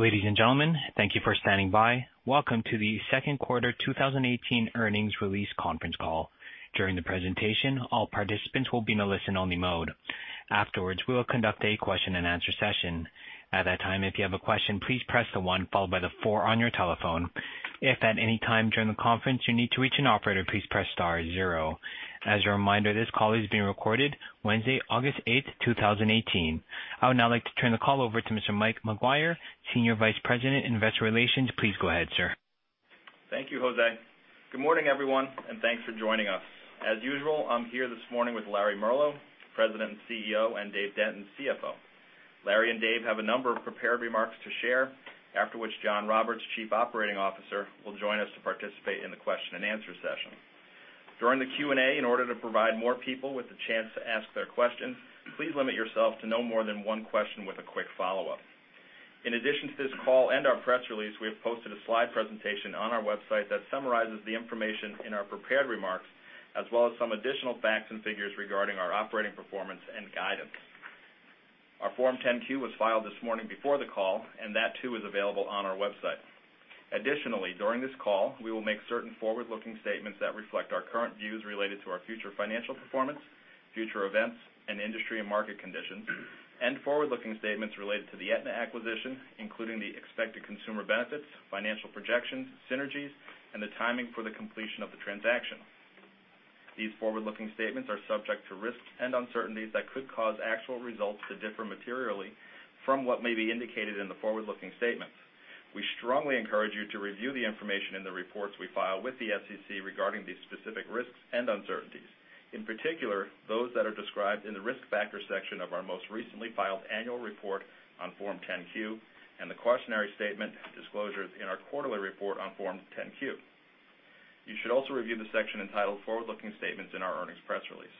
Ladies and gentlemen, thank you for standing by. Welcome to the second quarter 2018 earnings release conference call. During the presentation, all participants will be in a listen-only mode. Afterwards, we will conduct a question-and-answer session. At that time, if you have a question, please press the one followed by the four on your telephone. If at any time during the conference you need to reach an operator, please press star zero. As a reminder, this call is being recorded Wednesday, August 8, 2018. I would now like to turn the call over to Mr. Mike McGuire, Senior Vice President in Investor Relations. Please go ahead, sir. Thank you, Jose. Good morning, everyone. Thanks for joining us. As usual, I'm here this morning with Larry Merlo, President and CEO, and Dave Denton, CFO. Larry and Dave have a number of prepared remarks to share, after which Jon Roberts, Chief Operating Officer, will join us to participate in the Q&A session. During the Q&A, in order to provide more people with the chance to ask their questions, please limit yourself to no more than one question with a quick follow-up. In addition to this call and our press release, we have posted a slide presentation on our website that summarizes the information in our prepared remarks, as well as some additional facts and figures regarding our operating performance and guidance. Our Form 10-Q was filed this morning before the call. That too is available on our website. Additionally, during this call, we will make certain forward-looking statements that reflect our current views related to our future financial performance, future events, and industry and market conditions. Forward-looking statements related to the Aetna acquisition, including the expected consumer benefits, financial projections, synergies, and the timing for the completion of the transaction. These forward-looking statements are subject to risks and uncertainties that could cause actual results to differ materially from what may be indicated in the forward-looking statements. We strongly encourage you to review the information in the reports we file with the SEC regarding these specific risks and uncertainties. In particular, those that are described in the Risk Factor section of our most recently filed annual report on Form 10-Q. The cautionary statement disclosures in our quarterly report on Form 10-Q. You should also review the section entitled Forward-Looking Statements in our earnings press release.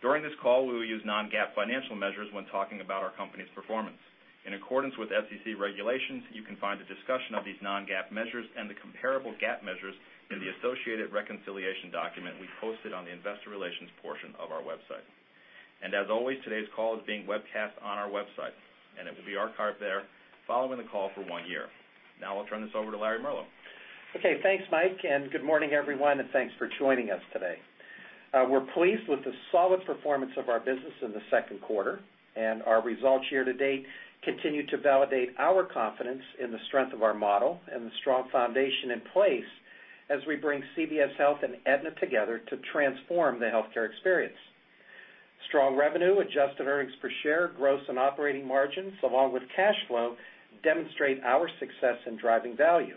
During this call, we will use non-GAAP financial measures when talking about our company's performance. In accordance with SEC regulations, you can find a discussion of these non-GAAP measures and the comparable GAAP measures in the associated reconciliation document we posted on the investor relations portion of our website. As always, today's call is being webcast on our website, and it will be archived there following the call for one year. Now I'll turn this over to Larry Merlo. Okay, thanks, Mike, good morning, everyone, and thanks for joining us today. We're pleased with the solid performance of our business in the second quarter, and our results year to date continue to validate our confidence in the strength of our model and the strong foundation in place as we bring CVS Health and Aetna together to transform the healthcare experience. Strong revenue, adjusted earnings per share, gross and operating margins, along with cash flow, demonstrate our success in driving value.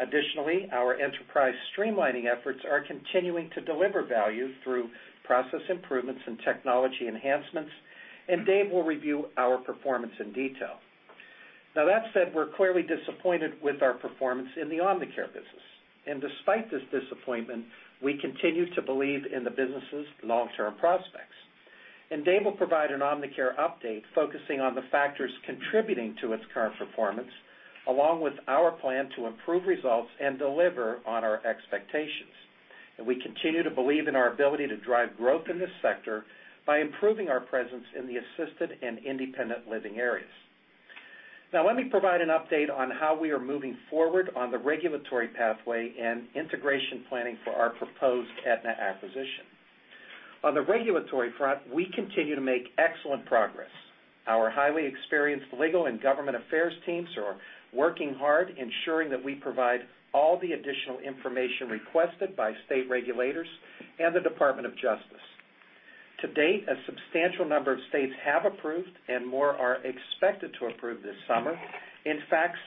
Additionally, our enterprise streamlining efforts are continuing to deliver value through process improvements and technology enhancements. Dave will review our performance in detail. That said, we're clearly disappointed with our performance in the Omnicare business. Despite this disappointment, we continue to believe in the business's long-term prospects. Dave will provide an Omnicare update focusing on the factors contributing to its current performance, along with our plan to improve results and deliver on our expectations. We continue to believe in our ability to drive growth in this sector by improving our presence in the assisted and independent living areas. Let me provide an update on how we are moving forward on the regulatory pathway and integration planning for our proposed Aetna acquisition. The regulatory front, we continue to make excellent progress. Our highly experienced legal and government affairs teams are working hard ensuring that we provide all the additional information requested by state regulators and the Department of Justice. To date, a substantial number of states have approved, and more are expected to approve this summer.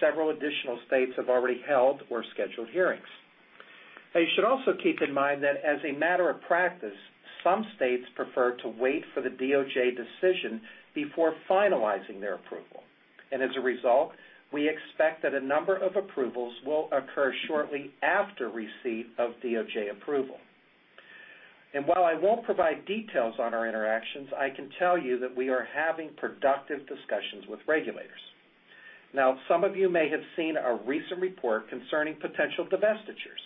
Several additional states have already held or scheduled hearings. You should also keep in mind that as a matter of practice, some states prefer to wait for the DOJ decision before finalizing their approval. As a result, we expect that a number of approvals will occur shortly after receipt of DOJ approval. While I won't provide details on our interactions, I can tell you that we are having productive discussions with regulators. Some of you may have seen a recent report concerning potential divestitures.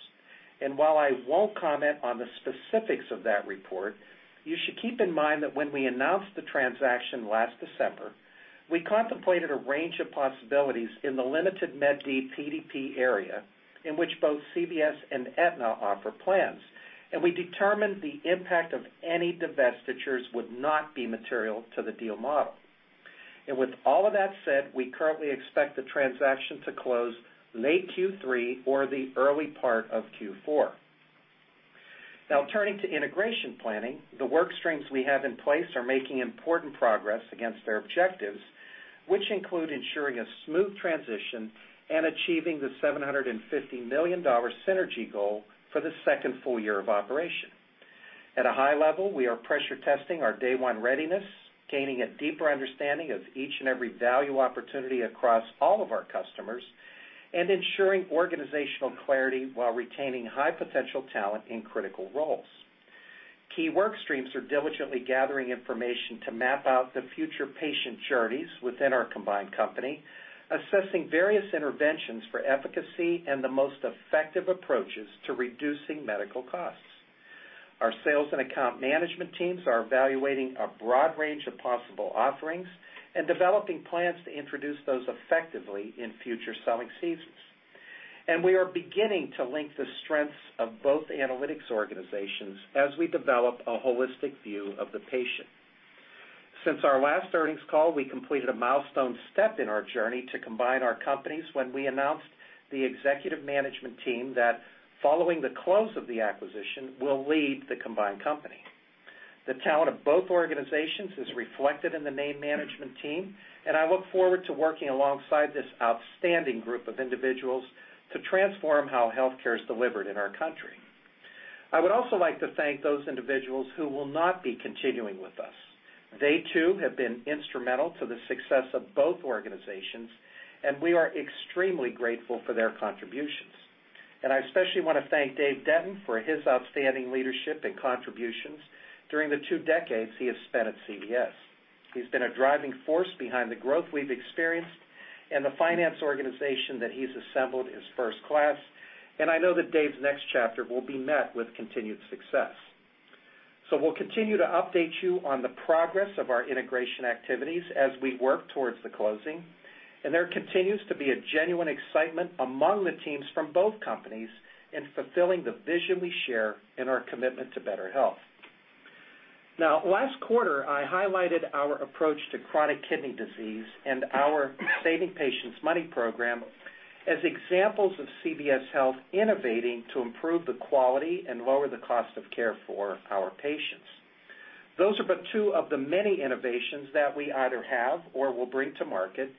While I won't comment on the specifics of that report, you should keep in mind that when we announced the transaction last December, we contemplated a range of possibilities in the limited Med D PDP area in which both CVS and Aetna offer plans. We determined the impact of any divestitures would not be material to the deal model. With all of that said, we currently expect the transaction to close late Q3 or the early part of Q4. Turning to integration planning, the work streams we have in place are making important progress against their objectives, which include ensuring a smooth transition and achieving the $750 million synergy goal for the second full year of operation. At a high level, we are pressure testing our day one readiness, gaining a deeper understanding of each and every value opportunity across all of our customers, and ensuring organizational clarity while retaining high-potential talent in critical roles. Key work streams are diligently gathering information to map out the future patient journeys within our combined company, assessing various interventions for efficacy and the most effective approaches to reducing medical costs. Our sales and account management teams are evaluating a broad range of possible offerings and developing plans to introduce those effectively in future selling seasons. We are beginning to link the strengths of both analytics organizations as we develop a holistic view of the patient. Since our last earnings call, we completed a milestone step in our journey to combine our companies when we announced the executive management team that, following the close of the acquisition, will lead the combined company. The talent of both organizations is reflected in the named management team. I look forward to working alongside this outstanding group of individuals to transform how healthcare is delivered in our country. I would also like to thank those individuals who will not be continuing with us. They too have been instrumental to the success of both organizations. We are extremely grateful for their contributions. I especially want to thank Dave Denton for his outstanding leadership and contributions during the 2 decades he has spent at CVS. He's been a driving force behind the growth we've experienced. The finance organization that he's assembled is first class. I know that Dave's next chapter will be met with continued success. We'll continue to update you on the progress of our integration activities as we work towards the closing. There continues to be a genuine excitement among the teams from both companies in fulfilling the vision we share in our commitment to better health. Now, last quarter, I highlighted our approach to chronic kidney disease and our Saving Patients Money program as examples of CVS Health innovating to improve the quality and lower the cost of care for our patients. Those are but two of the many innovations that we either have or will bring to market.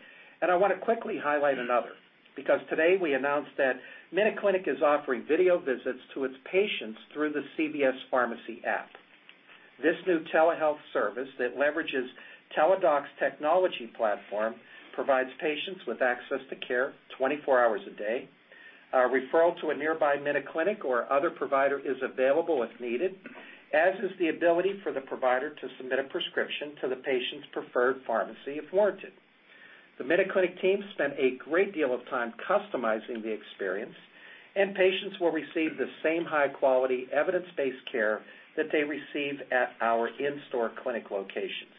I want to quickly highlight another, because today we announced that MinuteClinic is offering video visits to its patients through the CVS Pharmacy app. This new telehealth service that leverages Teladoc's technology platform provides patients with access to care 24 hours a day. A referral to a nearby MinuteClinic or other provider is available if needed, as is the ability for the provider to submit a prescription to the patient's preferred pharmacy if warranted. The MinuteClinic team spent a great deal of time customizing the experience. Patients will receive the same high-quality, evidence-based care that they receive at our in-store clinic locations.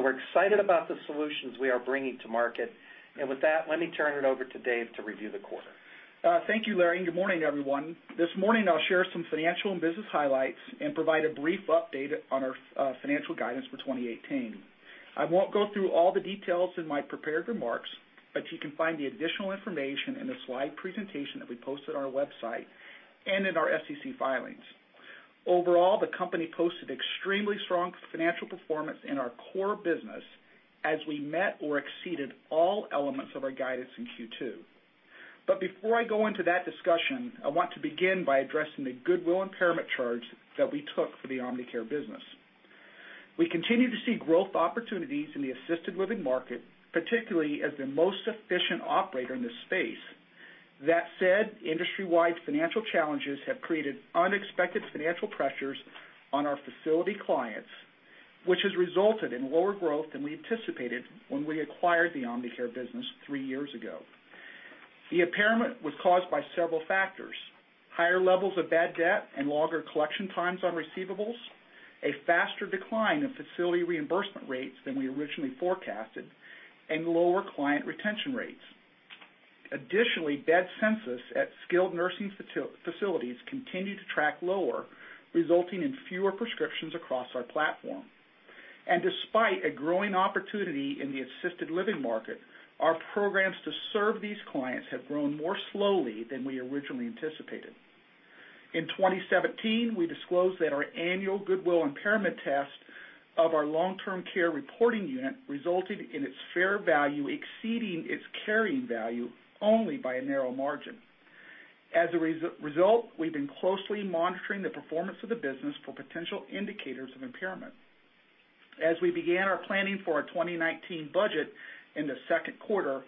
We're excited about the solutions we are bringing to market. With that, let me turn it over to Dave to review the quarter. Thank you, Larry. Good morning, everyone. This morning, I'll share some financial and business highlights and provide a brief update on our financial guidance for 2018. I won't go through all the details in my prepared remarks. You can find the additional information in the slide presentation that we post on our website and in our SEC filings. Overall, the company posted extremely strong financial performance in our core business as we met or exceeded all elements of our guidance in Q2. Before I go into that discussion, I want to begin by addressing the goodwill impairment charge that we took for the Omnicare business. We continue to see growth opportunities in the assisted living market, particularly as the most efficient operator in this space. That said, industry-wide financial challenges have created unexpected financial pressures on our facility clients, which has resulted in lower growth than we anticipated when we acquired the Omnicare business three years ago. The impairment was caused by several factors: higher levels of bad debt and longer collection times on receivables, a faster decline in facility reimbursement rates than we originally forecasted, and lower client retention rates. Bed census at skilled nursing facilities continue to track lower, resulting in fewer prescriptions across our platform. Despite a growing opportunity in the assisted living market, our programs to serve these clients have grown more slowly than we originally anticipated. In 2017, we disclosed that our annual goodwill impairment test of our long-term care reporting unit resulted in its fair value exceeding its carrying value only by a narrow margin. As a result, we've been closely monitoring the performance of the business for potential indicators of impairment. As we began our planning for our 2019 budget in the second quarter,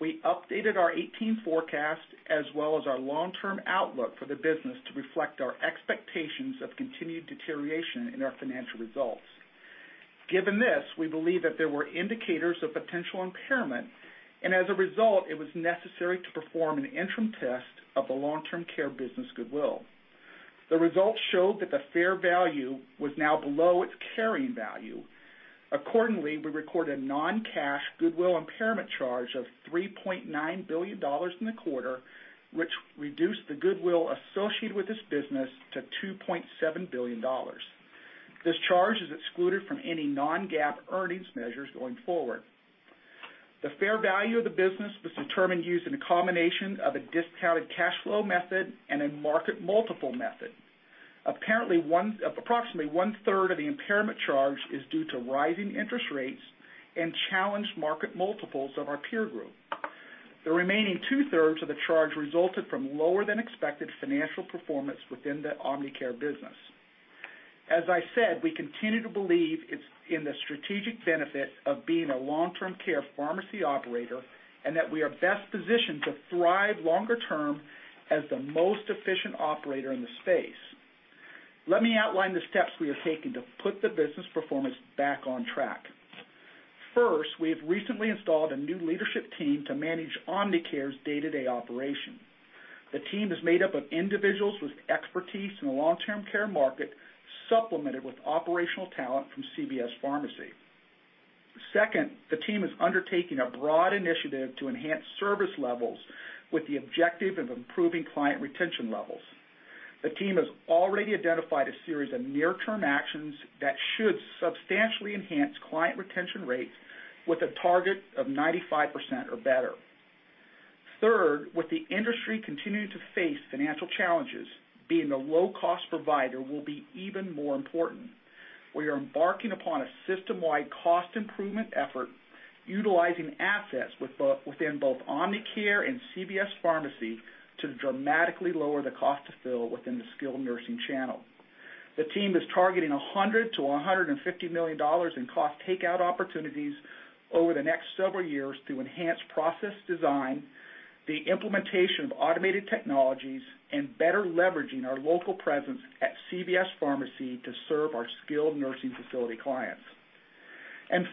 we updated our 2018 forecast as well as our long-term outlook for the business to reflect our expectations of continued deterioration in our financial results. Given this, we believe that there were indicators of potential impairment, and as a result, it was necessary to perform an interim test of the long-term care business goodwill. The results showed that the fair value was now below its carrying value. Accordingly, we recorded a non-cash goodwill impairment charge of $3.9 billion in the quarter, which reduced the goodwill associated with this business to $2.7 billion. This charge is excluded from any non-GAAP earnings measures going forward. The fair value of the business was determined using a combination of a discounted cash flow method and a market multiple method. Approximately one-third of the impairment charge is due to rising interest rates and challenged market multiples of our peer group. The remaining two-thirds of the charge resulted from lower than expected financial performance within the Omnicare business. As I said, we continue to believe in the strategic benefit of being a long-term care pharmacy operator and that we are best positioned to thrive longer term as the most efficient operator in the space. Let me outline the steps we are taking to put the business performance back on track. First, we have recently installed a new leadership team to manage Omnicare's day-to-day operation. The team is made up of individuals with expertise in the long-term care market, supplemented with operational talent from CVS Pharmacy. Second, the team is undertaking a broad initiative to enhance service levels with the objective of improving client retention levels. The team has already identified a series of near-term actions that should substantially enhance client retention rates with a target of 95% or better. Third, with the industry continuing to face financial challenges, being a low-cost provider will be even more important. We are embarking upon a system-wide cost improvement effort, utilizing assets within both Omnicare and CVS Pharmacy to dramatically lower the cost to fill within the skilled nursing channel. The team is targeting $100 million-$150 million in cost takeout opportunities over the next several years through enhanced process design, the implementation of automated technologies, and better leveraging our local presence at CVS Pharmacy to serve our skilled nursing facility clients.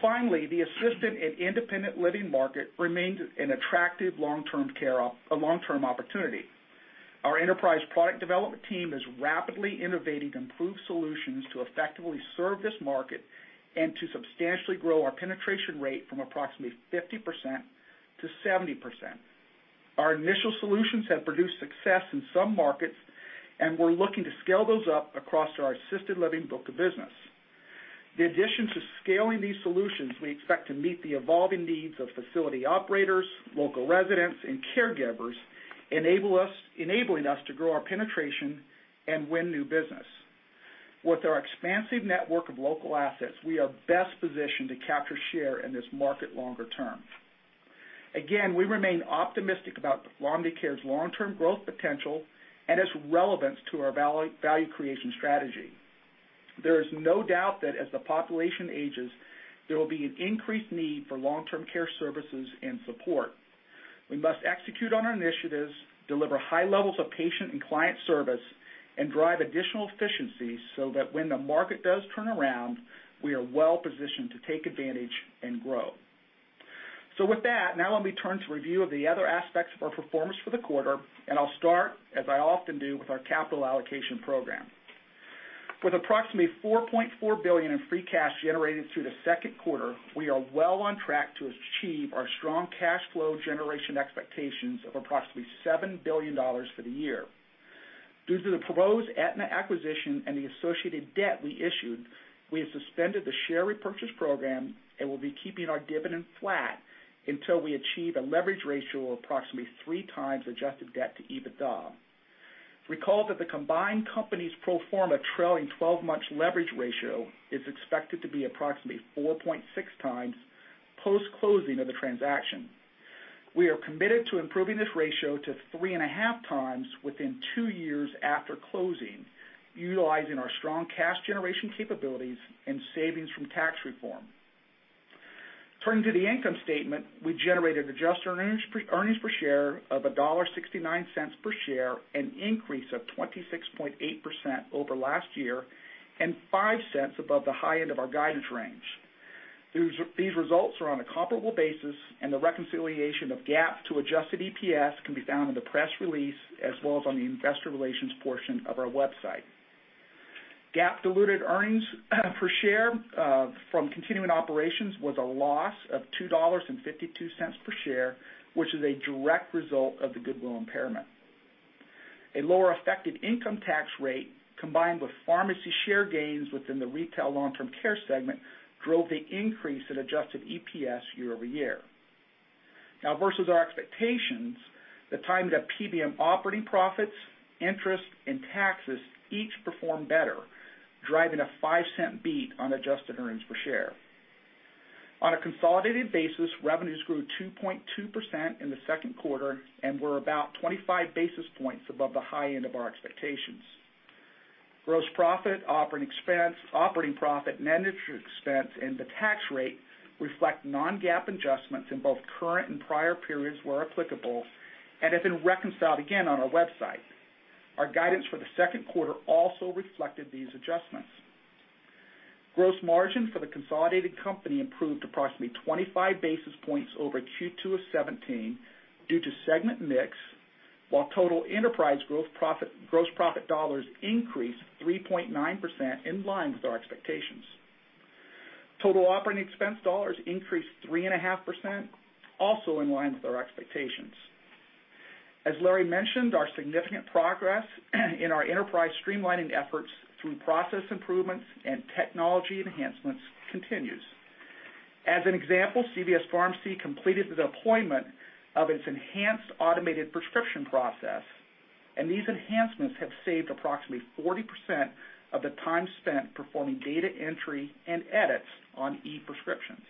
Finally, the assisted and independent living market remains an attractive long-term opportunity. Our enterprise product development team is rapidly innovating improved solutions to effectively serve this market and to substantially grow our penetration rate from approximately 50%-70%. Our initial solutions have produced success in some markets, and we're looking to scale those up across our assisted living book of business. The addition to scaling these solutions, we expect to meet the evolving needs of facility operators, local residents, and caregivers, enabling us to grow our penetration and win new business. With our expansive network of local assets, we are best positioned to capture share in this market longer term. Again, we remain optimistic about Omnicare's long-term growth potential and its relevance to our value creation strategy. There is no doubt that as the population ages, there will be an increased need for long-term care services and support. We must execute on our initiatives, deliver high levels of patient and client service, and drive additional efficiencies so that when the market does turn around, we are well-positioned to take advantage and grow. With that, now let me turn to review of the other aspects of our performance for the quarter, and I'll start, as I often do, with our capital allocation program. With approximately $4.4 billion in free cash generated through the second quarter, we are well on track to achieve our strong cash flow generation expectations of approximately $7 billion for the year. Due to the proposed Aetna acquisition and the associated debt we issued, we have suspended the share repurchase program and will be keeping our dividend flat until we achieve a leverage ratio of approximately three times adjusted debt to EBITDA. Recall that the combined company's pro forma trailing 12-month leverage ratio is expected to be approximately 4.6 times post-closing of the transaction. We are committed to improving this ratio to three and a half times within two years after closing, utilizing our strong cash generation capabilities and savings from tax reform. Turning to the income statement, we generated adjusted earnings per share of $1.69 per share, an increase of 26.8% over last year and $0.05 above the high end of our guidance range. These results are on a comparable basis, and the reconciliation of GAAP to adjusted EPS can be found in the press release, as well as on the investor relations portion of our website. GAAP diluted earnings per share from continuing operations was a loss of $2.52 per share, which is a direct result of the goodwill impairment. A lower effective income tax rate, combined with pharmacy share gains within the Retail Long-Term Care segment, drove the increase in adjusted EPS year-over-year. Versus our expectations, the timing of PBM operating profits, interest, and taxes each performed better, driving a $0.05 beat on adjusted earnings per share. On a consolidated basis, revenues grew 2.2% in the second quarter and were about 25 basis points above the high end of our expectations. Gross profit, operating expense, operating profit, managed expense, and the tax rate reflect non-GAAP adjustments in both current and prior periods where applicable and have been reconciled again on our website. Our guidance for the second quarter also reflected these adjustments. Gross margin for the consolidated company improved approximately 25 basis points over Q2 of 2017 due to segment mix, while total enterprise gross profit dollars increased 3.9%, in line with our expectations. Total operating expense dollars increased 3.5%, also in line with our expectations. As Larry mentioned, our significant progress in our enterprise streamlining efforts through process improvements and technology enhancements continues. As an example, CVS Pharmacy completed the deployment of its enhanced automated prescription process, and these enhancements have saved approximately 40% of the time spent performing data entry and edits on e-prescriptions.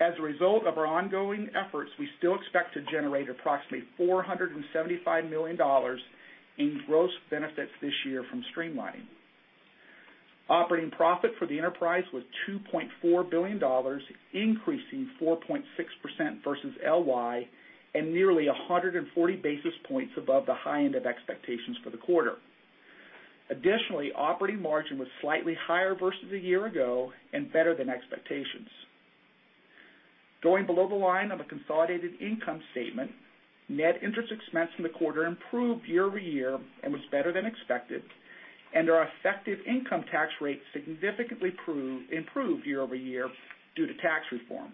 As a result of our ongoing efforts, we still expect to generate approximately $475 million in gross benefits this year from streamlining. Operating profit for the enterprise was $2.4 billion, increasing 4.6% versus LY and nearly 140 basis points above the high end of expectations for the quarter. Additionally, operating margin was slightly higher versus a year ago and better than expectations. Going below the line on the consolidated income statement, net interest expense in the quarter improved year-over-year and was better than expected. Our effective income tax rate significantly improved year-over-year due to tax reform.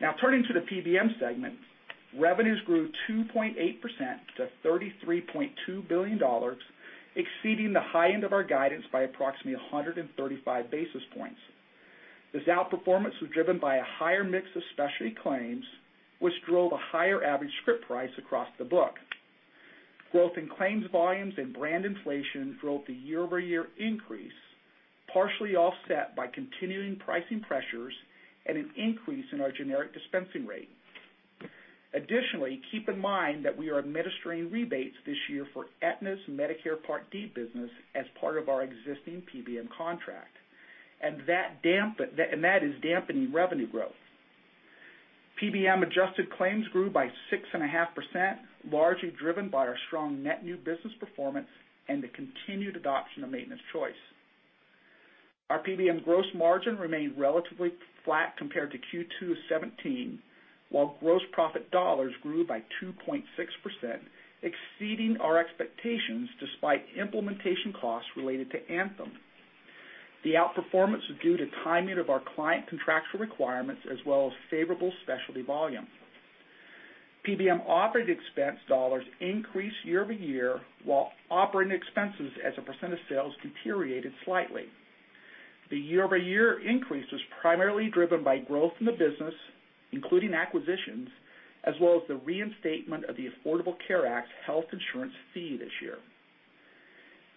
Now turning to the PBM segment, revenues grew 2.8% to $33.2 billion, exceeding the high end of our guidance by approximately 135 basis points. This outperformance was driven by a higher mix of specialty claims, which drove a higher average script price across the book. Growth in claims volumes and brand inflation drove the year-over-year increase, partially offset by continuing pricing pressures and an increase in our generic dispensing rate. Additionally, keep in mind that we are administering rebates this year for Aetna's Medicare Part D business as part of our existing PBM contract. That is dampening revenue growth. PBM adjusted claims grew by 6.5%, largely driven by our strong net new business performance and the continued adoption of Maintenance Choice. Our PBM gross margin remained relatively flat compared to Q2 of '17, while gross profit dollars grew by 2.6%, exceeding our expectations despite implementation costs related to Anthem. The outperformance was due to timing of our client contractual requirements as well as favorable specialty volume. PBM operating expense dollars increased year-over-year, while operating expenses as a percent of sales deteriorated slightly. The year-over-year increase was primarily driven by growth in the business, including acquisitions, as well as the reinstatement of the Affordable Care Act health insurance fee this year.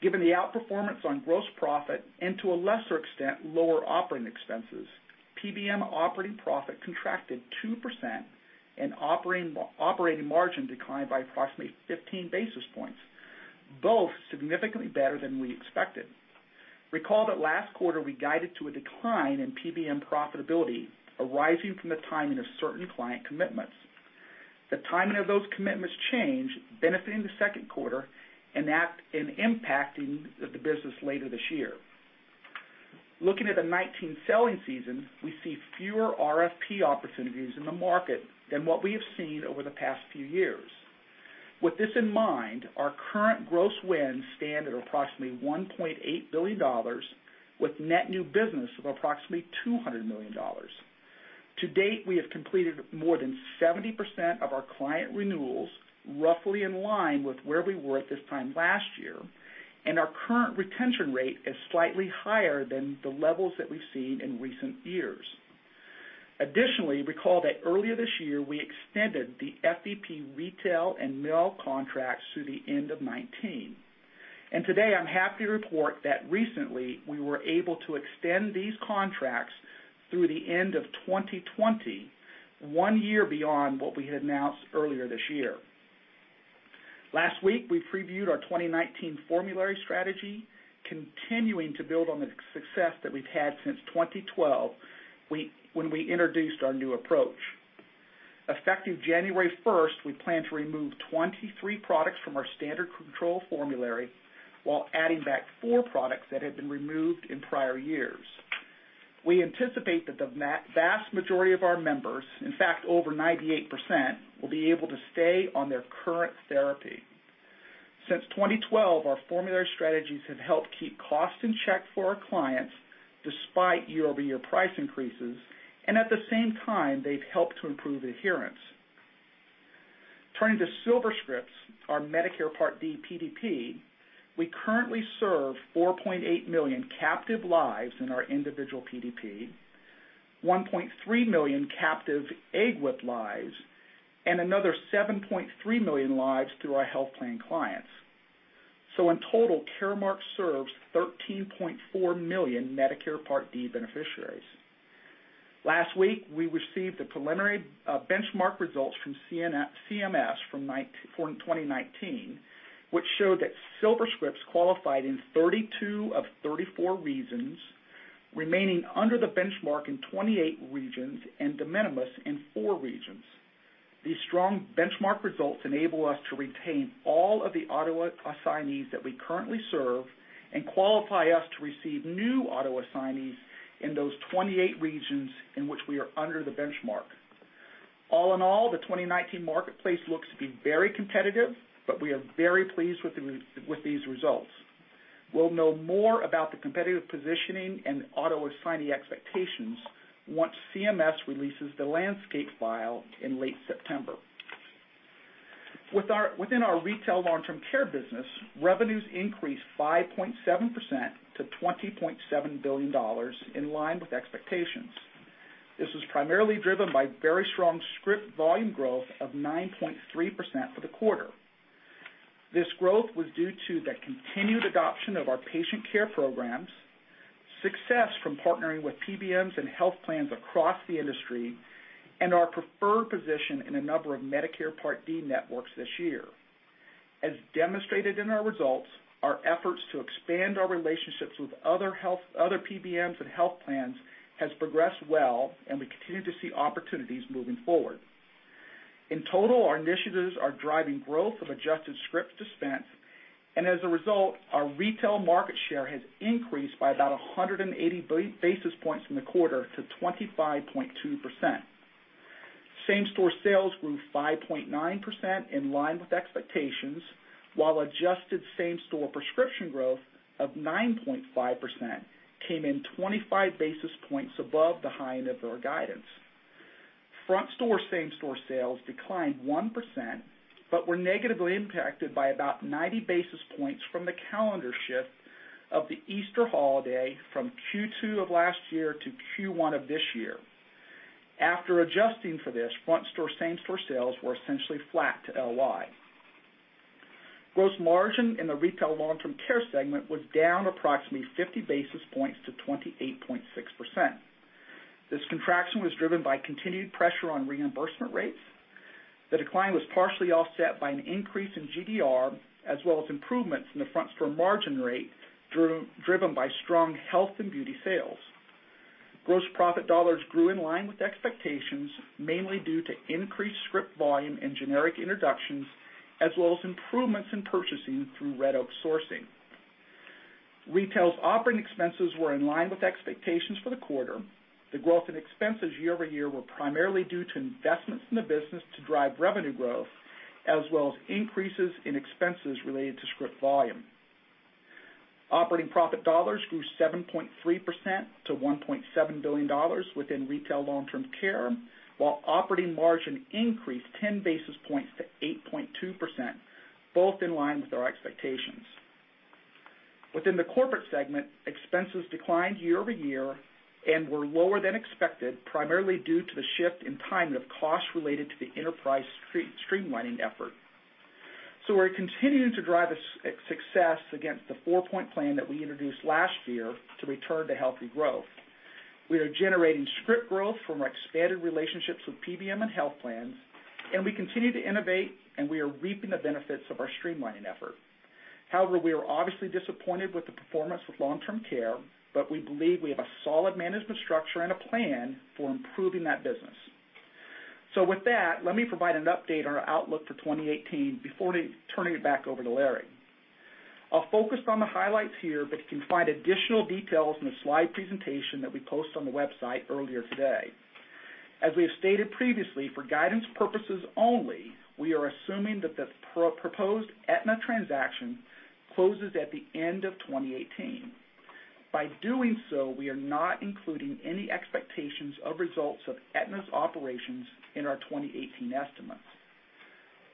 Given the outperformance on gross profit and to a lesser extent, lower operating expenses, PBM operating profit contracted 2% and operating margin declined by approximately 15 basis points, both significantly better than we expected. Recall that last quarter we guided to a decline in PBM profitability arising from the timing of certain client commitments. The timing of those commitments changed, benefiting the second quarter and impacting the business later this year. Looking at the '19 selling season, we see fewer RFP opportunities in the market than what we have seen over the past few years. With this in mind, our current gross wins stand at approximately $1.8 billion, with net new business of approximately $200 million. To date, we have completed more than 70% of our client renewals, roughly in line with where we were at this time last year, and our current retention rate is slightly higher than the levels that we've seen in recent years. Additionally, recall that earlier this year, we extended the FEP retail and mail contracts through the end of 2019. Today, I'm happy to report that recently we were able to extend these contracts through the end of 2020, one year beyond what we had announced earlier this year. Last week, we previewed our 2019 formulary strategy, continuing to build on the success that we've had since 2012, when we introduced our new approach. Effective January 1st, we plan to remove 23 products from our standard control formulary while adding back four products that had been removed in prior years. We anticipate that the vast majority of our members, in fact, over 98%, will be able to stay on their current therapy. Since 2012, our formulary strategies have helped keep costs in check for our clients despite year-over-year price increases, and at the same time, they've helped to improve adherence. Turning to SilverScript, our Medicare Part D PDP, we currently serve 4.8 million captive lives in our individual PDP, 1.3 million captive EGWP lives and another 7.3 million lives through our health plan clients. In total, Caremark serves 13.4 million Medicare Part D beneficiaries. Last week, we received the preliminary benchmark results from CMS for 2019, which showed that SilverScript qualified in 32 of 34 regions, remaining under the benchmark in 28 regions and de minimis in four regions. These strong benchmark results enable us to retain all of the auto-assignees that we currently serve and qualify us to receive new auto-assignees in those 28 regions in which we are under the benchmark. All in all, the 2019 marketplace looks to be very competitive, but we are very pleased with these results. We'll know more about the competitive positioning and auto-assignee expectations once CMS releases the landscape file in late September. Within our Retail Long-Term Care business, revenues increased 5.7% to $20.7 billion, in line with expectations. This was primarily driven by very strong script volume growth of 9.3% for the quarter. This growth was due to the continued adoption of our patient care programs, success from partnering with PBMs and health plans across the industry, and our preferred position in a number of Medicare Part D networks this year. As demonstrated in our results, our efforts to expand our relationships with other PBMs and health plans has progressed well. We continue to see opportunities moving forward. In total, our initiatives are driving growth of adjusted scripts dispensed. As a result, our retail market share has increased by about 180 basis points in the quarter to 25.2%. Same-store sales grew 5.9%, in line with expectations, while adjusted same-store prescription growth of 9.5% came in 25 basis points above the high end of our guidance. Front store same-store sales declined 1%, but were negatively impacted by about 90 basis points from the calendar shift of the Easter holiday from Q2 of last year to Q1 of this year. After adjusting for this, front store same-store sales were essentially flat to LY. Gross margin in the Retail/Long-Term Care segment was down approximately 50 basis points to 28.6%. This contraction was driven by continued pressure on reimbursement rates. The decline was partially offset by an increase in GDR, as well as improvements in the front store margin rate, driven by strong health and beauty sales. Gross profit dollars grew in line with expectations, mainly due to increased script volume and generic introductions, as well as improvements in purchasing through Red Oak Sourcing. Retail's operating expenses were in line with expectations for the quarter. The growth in expenses year-over-year were primarily due to investments in the business to drive revenue growth, as well as increases in expenses related to script volume. Operating profit dollars grew 7.3% to $1.7 billion within Retail/Long-Term Care, while operating margin increased 10 basis points to 8.2%, both in line with our expectations. Within the Corporate segment, expenses declined year-over-year and were lower than expected, primarily due to the shift in timing of costs related to the enterprise streamlining effort. We're continuing to drive success against the four-point plan that we introduced last year to return to healthy growth. We are generating script growth from our expanded relationships with PBM and health plans, and we continue to innovate, and we are reaping the benefits of our streamlining effort. However, we are obviously disappointed with the performance of Long-Term Care, but we believe we have a solid management structure and a plan for improving that business. With that, let me provide an update on our outlook for 2018 before turning it back over to Larry. I'll focus on the highlights here, but you can find additional details in the slide presentation that we posted on the website earlier today. As we have stated previously, for guidance purposes only, we are assuming that the proposed Aetna transaction closes at the end of 2018. By doing so, we are not including any expectations of results of Aetna's operations in our 2018 estimates.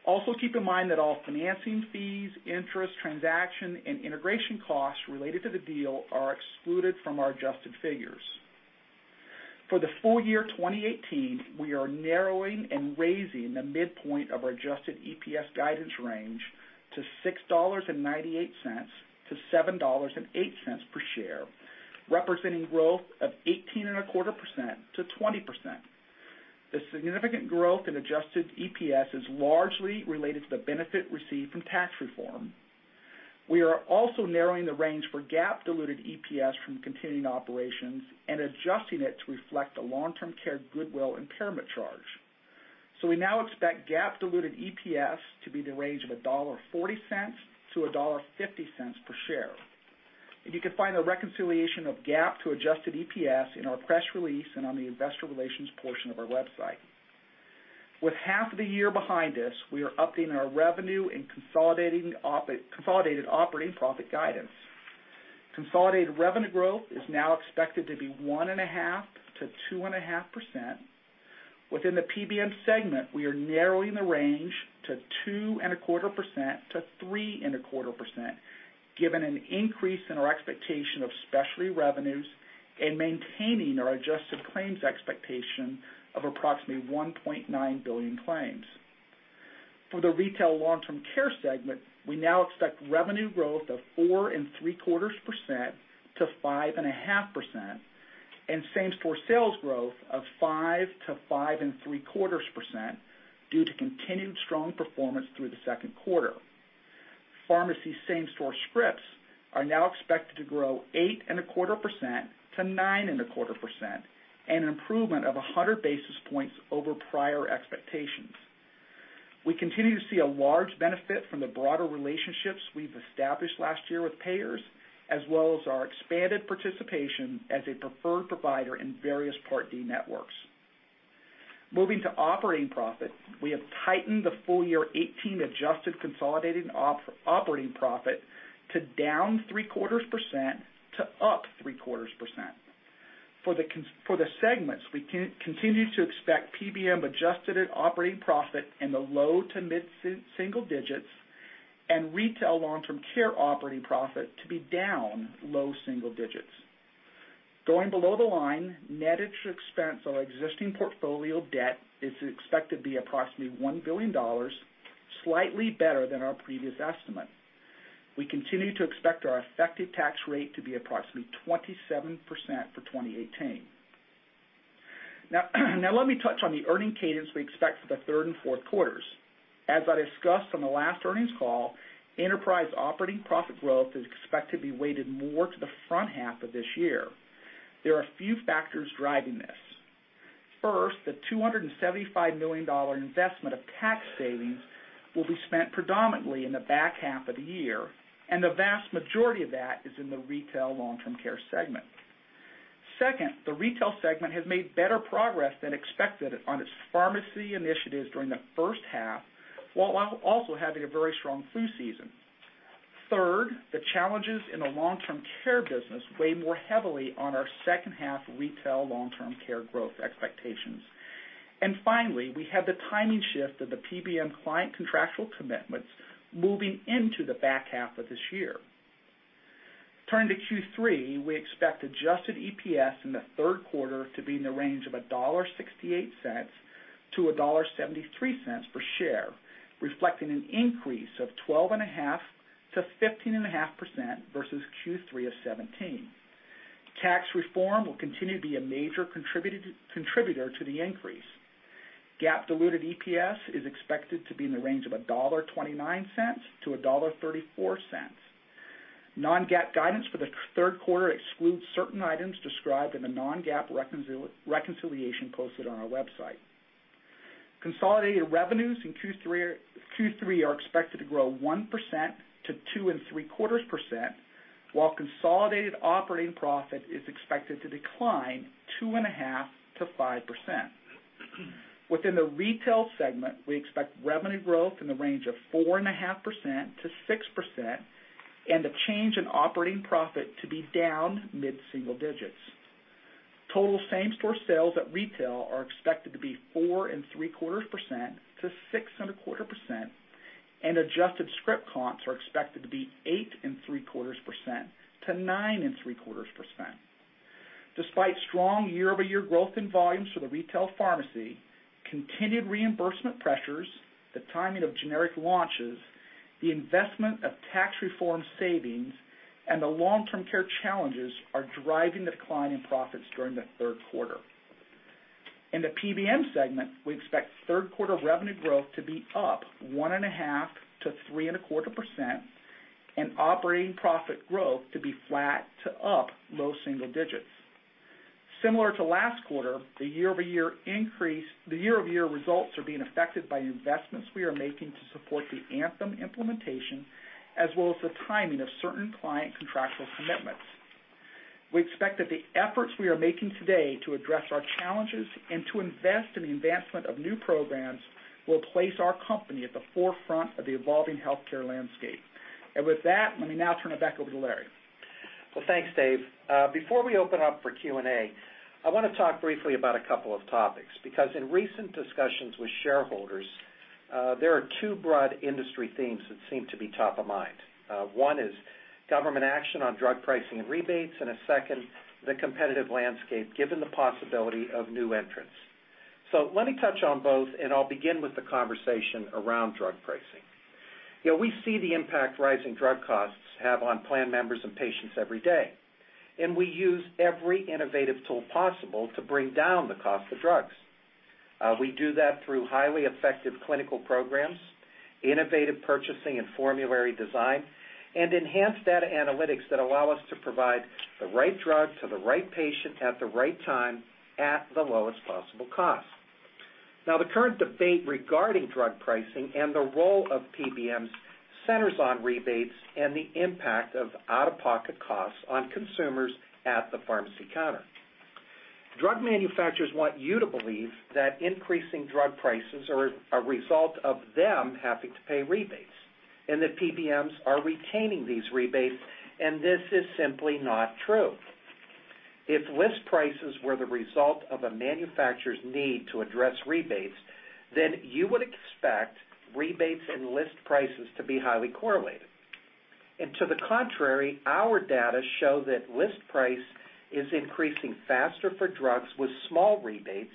Also, keep in mind that all financing fees, interest, transaction, and integration costs related to the deal are excluded from our adjusted figures. For the full year 2018, we are narrowing and raising the midpoint of our adjusted EPS guidance range to $6.98-$7.08 per share, representing growth of 18.25%-20%. The significant growth in adjusted EPS is largely related to the benefit received from tax reform. We are also narrowing the range for GAAP diluted EPS from continuing operations and adjusting it to reflect the Long-Term Care goodwill impairment charge. We now expect GAAP diluted EPS to be in the range of $1.40-$1.50 per share. You can find a reconciliation of GAAP to adjusted EPS in our press release and on the investor relations portion of our website. With half of the year behind us, we are updating our revenue and consolidated operating profit guidance. Consolidated revenue growth is now expected to be 1.5%-2.5%. Within the PBM segment, we are narrowing the range to 2.25%-3.25%, given an increase in our expectation of specialty revenues and maintaining our adjusted claims expectation of approximately 1.9 billion claims. For the Retail/Long-Term Care segment, we now expect revenue growth of 4.75%-5.5%, and same-store sales growth of 5%-5.75% due to continued strong performance through the second quarter. Pharmacy same-store scripts are now expected to grow 8.25%-9.25%, an improvement of 100 basis points over prior expectations. We continue to see a large benefit from the broader relationships we've established last year with payers, as well as our expanded participation as a preferred provider in various Part D networks. Moving to operating profit, we have tightened the full year 2018 adjusted consolidated operating profit to -0.75% to +0.75%. For the segments, we continue to expect PBM adjusted operating profit in the low to mid-single digits and Retail/Long-Term Care operating profit to be down low single digits. Going below the line, net interest expense on our existing portfolio of debt is expected to be approximately $1 billion, slightly better than our previous estimate. We continue to expect our effective tax rate to be approximately 27% for 2018. Let me touch on the earning cadence we expect for the third and fourth quarters. As I discussed on the last earnings call, enterprise operating profit growth is expected to be weighted more to the front half of this year. There are a few factors driving this. First, the $275 million investment of tax savings will be spent predominantly in the back half of the year, and the vast majority of that is in the Retail Long-Term Care segment. Second, the Retail segment has made better progress than expected on its pharmacy initiatives during the first half, while also having a very strong flu season. Third, the challenges in the long-term care business weigh more heavily on our second-half Retail Long-Term Care growth expectations. Finally, we have the timing shift of the PBM client contractual commitments moving into the back half of this year. Turning to Q3, we expect adjusted EPS in the third quarter to be in the range of $1.68-$1.73 per share, reflecting an increase of 12.5%-15.5% versus Q3 of 2017. Tax reform will continue to be a major contributor to the increase. GAAP diluted EPS is expected to be in the range of $1.29-$1.34. Non-GAAP guidance for the third quarter excludes certain items described in the non-GAAP reconciliation posted on our website. Consolidated revenues in Q3 are expected to grow 1%-2.75%, while consolidated operating profit is expected to decline 2.5%-5%. Within the Retail segment, we expect revenue growth in the range of 4.5%-6%, and a change in operating profit to be down mid-single digits. Total same-store sales at retail are expected to be 4.75%-6.25%, and adjusted script comps are expected to be 8.75%-9.75%. Despite strong year-over-year growth in volumes for the CVS Pharmacy, continued reimbursement pressures, the timing of generic launches, the investment of tax reform savings, and the long-term care challenges are driving the decline in profits during the third quarter. In the PBM segment, we expect third-quarter revenue growth to be up 1.5%-3.25%, and operating profit growth to be flat to up low single digits. Similar to last quarter, the year-over-year results are being affected by investments we are making to support the Anthem implementation, as well as the timing of certain client contractual commitments. We expect that the efforts we are making today to address our challenges and to invest in the advancement of new programs will place our company at the forefront of the evolving healthcare landscape. With that, let me now turn it back over to Larry. Well, thanks, Dave. Before we open up for Q&A, I want to talk briefly about a couple of topics, because in recent discussions with shareholders, there are two broad industry themes that seem to be top of mind. One is government action on drug pricing and rebates, and the second, the competitive landscape, given the possibility of new entrants. Let me touch on both, and I'll begin with the conversation around drug pricing. We see the impact rising drug costs have on plan members and patients every day, and we use every innovative tool possible to bring down the cost of drugs. We do that through highly effective clinical programs, innovative purchasing and formulary design, and enhanced data analytics that allow us to provide the right drug to the right patient at the right time at the lowest possible cost. Now, the current debate regarding drug pricing and the role of PBMs centers on rebates and the impact of out-of-pocket costs on consumers at the pharmacy counter. Drug manufacturers want you to believe that increasing drug prices are a result of them having to pay rebates, and that PBMs are retaining these rebates, and this is simply not true. If list prices were the result of a manufacturer's need to address rebates, then you would expect rebates and list prices to be highly correlated. To the contrary, our data show that list price is increasing faster for drugs with small rebates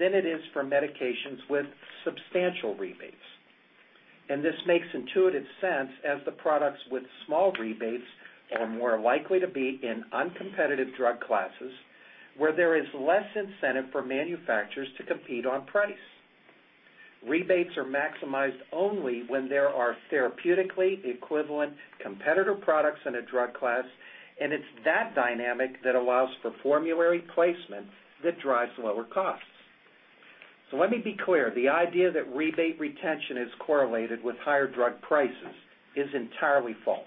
than it is for medications with substantial rebates. This makes intuitive sense, as the products with small rebates are more likely to be in uncompetitive drug classes, where there is less incentive for manufacturers to compete on price. Rebates are maximized only when there are therapeutically equivalent competitor products in a drug class, and it's that dynamic that allows for formulary placement that drives lower costs. Let me be clear. The idea that rebate retention is correlated with higher drug prices is entirely false.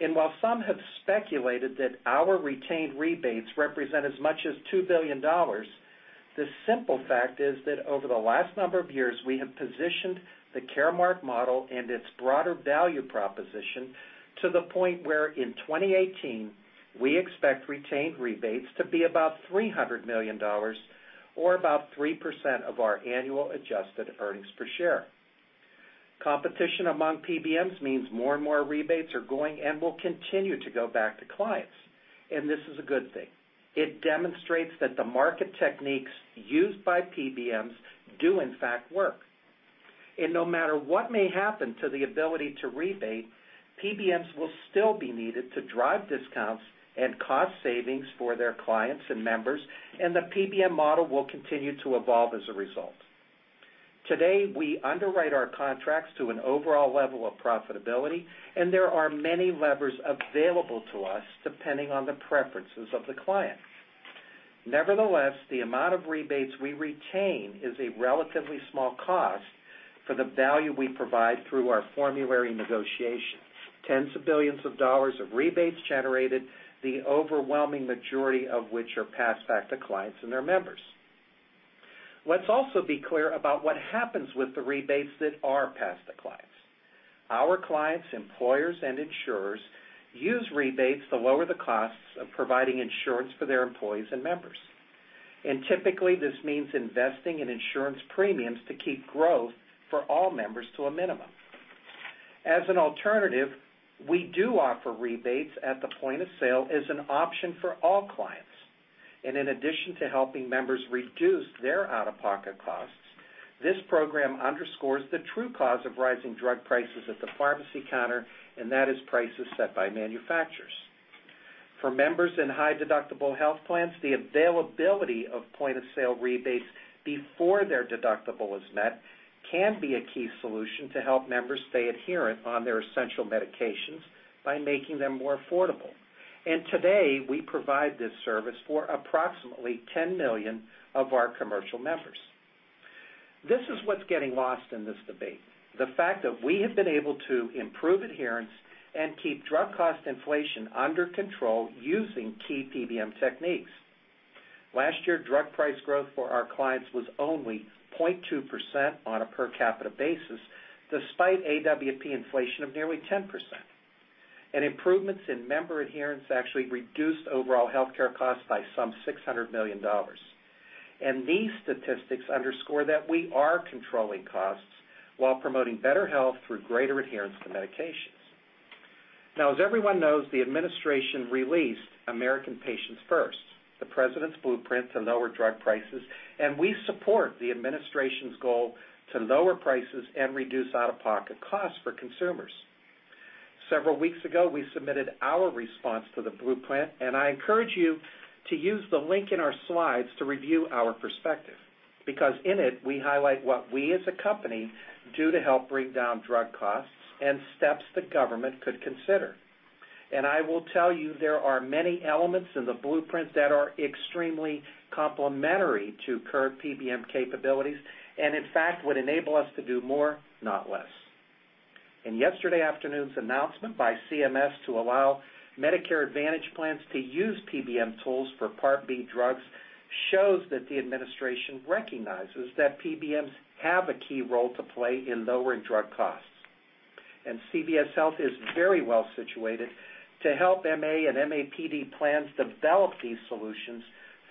While some have speculated that our retained rebates represent as much as $2 billion, the simple fact is that over the last number of years, we have positioned the Caremark model and its broader value proposition to the point where, in 2018, we expect retained rebates to be about $300 million, or about 3% of our annual adjusted earnings per share. Competition among PBMs means more and more rebates are going, and will continue to go back to clients, and this is a good thing. It demonstrates that the market techniques used by PBMs do in fact work. No matter what may happen to the ability to rebate, PBMs will still be needed to drive discounts and cost savings for their clients and members, and the PBM model will continue to evolve as a result. Today, we underwrite our contracts to an overall level of profitability, and there are many levers available to us depending on the preferences of the client. Nevertheless, the amount of rebates we retain is a relatively small cost for the value we provide through our formulary negotiation. Tens of billions of dollars of rebates generated, the overwhelming majority of which are passed back to clients and their members. Let's also be clear about what happens with the rebates that are passed to clients. Our clients, employers, and insurers use rebates to lower the costs of providing insurance for their employees and members. Typically, this means investing in insurance premiums to keep growth for all members to a minimum. As an alternative, we do offer rebates at the point of sale as an option for all clients. In addition to helping members reduce their out-of-pocket costs, this program underscores the true cause of rising drug prices at the pharmacy counter, and that is prices set by manufacturers. For members in high-deductible health plans, the availability of point-of-sale rebates before their deductible is met can be a key solution to help members stay adherent on their essential medications by making them more affordable. Today, we provide this service for approximately 10 million of our commercial members. This is what's getting lost in this debate, the fact that we have been able to improve adherence and keep drug cost inflation under control using key PBM techniques. Last year, drug price growth for our clients was only 0.2% on a per capita basis, despite AWP inflation of nearly 10%. Improvements in member adherence actually reduced overall healthcare costs by some $600 million. These statistics underscore that we are controlling costs while promoting better health through greater adherence to medications. As everyone knows, the Administration released American Patients First, the President's blueprint to lower drug prices, and we support the Administration's goal to lower prices and reduce out-of-pocket costs for consumers. Several weeks ago, we submitted our response to the blueprint, and I encourage you to use the link in our slides to review our perspective because in it, we highlight what we as a company do to help bring down drug costs and steps the Government could consider. I will tell you, there are many elements in the blueprint that are extremely complementary to current PBM capabilities and, in fact, would enable us to do more, not less. In yesterday afternoon's announcement by CMS to allow Medicare Advantage plans to use PBM tools for Medicare Part B drugs shows that the Administration recognizes that PBMs have a key role to play in lowering drug costs. CVS Health is very well situated to help MA and MAPD plans develop these solutions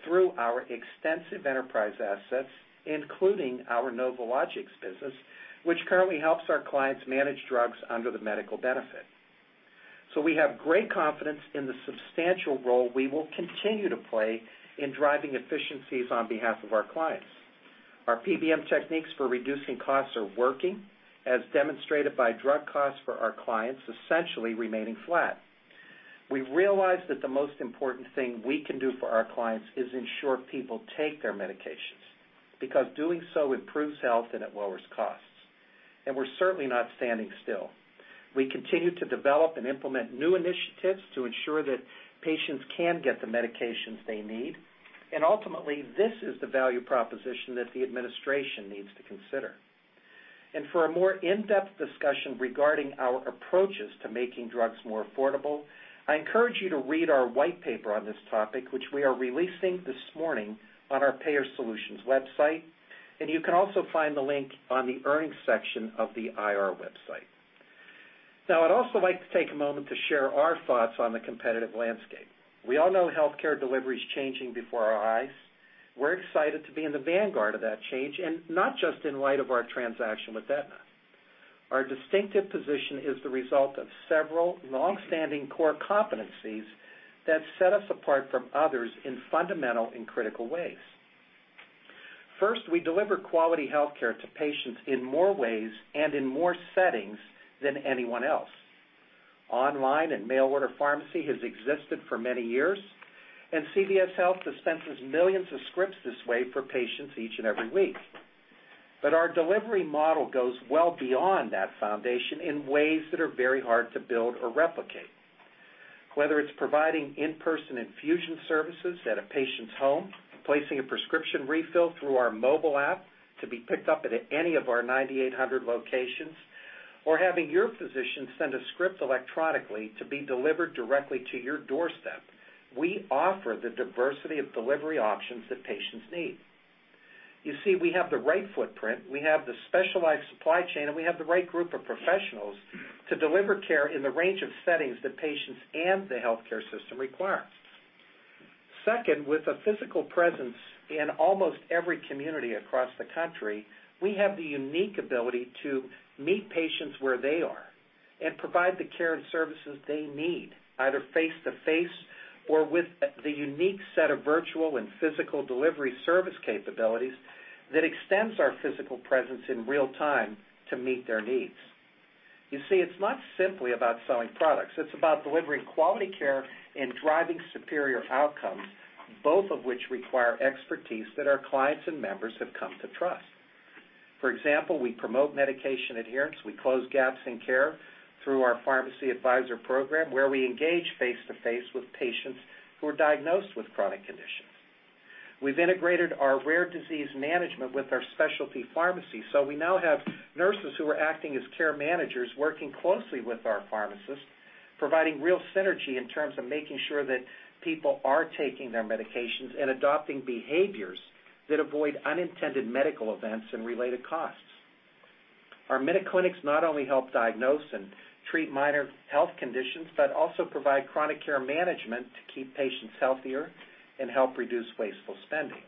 through our extensive enterprise assets, including our NovoLogix business, which currently helps our clients manage drugs under the medical benefit. So we have great confidence in the substantial role we will continue to play in driving efficiencies on behalf of our clients. Our PBM techniques for reducing costs are working, as demonstrated by drug costs for our clients essentially remaining flat. We realize that the most important thing we can do for our clients is ensure people take their medications, because doing so improves health and it lowers costs. We're certainly not standing still. We continue to develop and implement new initiatives to ensure that patients can get the medications they need. Ultimately, this is the value proposition that the Administration needs to consider. For a more in-depth discussion regarding our approaches to making drugs more affordable, I encourage you to read our white paper on this topic, which we are releasing this morning on our Payer Solutions website, and you can also find the link on the Earnings section of the IR website. I'd also like to take a moment to share our thoughts on the competitive landscape. We all know healthcare delivery is changing before our eyes. We're excited to be in the vanguard of that change, not just in light of our transaction with Aetna. Our distinctive position is the result of several longstanding core competencies that set us apart from others in fundamental and critical ways. First, we deliver quality healthcare to patients in more ways and in more settings than anyone else. Online and mail order pharmacy has existed for many years, and CVS Health dispenses millions of scripts this way for patients each and every week. Our delivery model goes well beyond that foundation in ways that are very hard to build or replicate. Whether it's providing in-person infusion services at a patient's home, placing a prescription refill through our mobile app to be picked up at any of our 9,800 locations, or having your physician send a script electronically to be delivered directly to your doorstep, we offer the diversity of delivery options that patients need. You see, we have the right footprint, we have the specialized supply chain, and we have the right group of professionals to deliver care in the range of settings that patients and the healthcare system require. Second, with a physical presence in almost every community across the country, we have the unique ability to meet patients where they are. Provide the care and services they need, either face-to-face or with the unique set of virtual and physical delivery service capabilities that extends our physical presence in real time to meet their needs. You see, it's not simply about selling products, it's about delivering quality care and driving superior outcomes, both of which require expertise that our clients and members have come to trust. For example, we promote medication adherence. We close gaps in care through our Pharmacy Advisor program, where we engage face-to-face with patients who are diagnosed with chronic conditions. We've integrated our rare disease management with our specialty pharmacy. We now have nurses who are acting as care managers, working closely with our pharmacists, providing real synergy in terms of making sure that people are taking their medications and adopting behaviors that avoid unintended medical events and related costs. Our MinuteClinics not only help diagnose and treat minor health conditions, but also provide chronic care management to keep patients healthier and help reduce wasteful spending.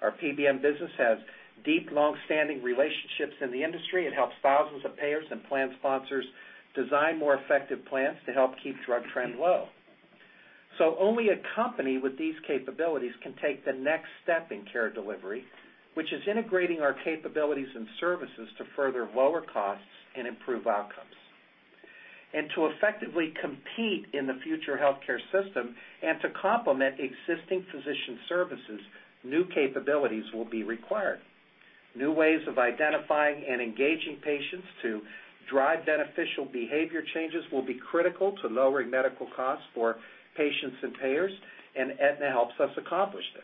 Our PBM business has deep, long-standing relationships in the industry. It helps thousands of payers and plan sponsors design more effective plans to help keep drug trends low. Only a company with these capabilities can take the next step in care delivery, which is integrating our capabilities and services to further lower costs and improve outcomes. To effectively compete in the future healthcare system and to complement existing physician services, new capabilities will be required. New ways of identifying and engaging patients to drive beneficial behavior changes will be critical to lowering medical costs for patients and payers, Aetna helps us accomplish this.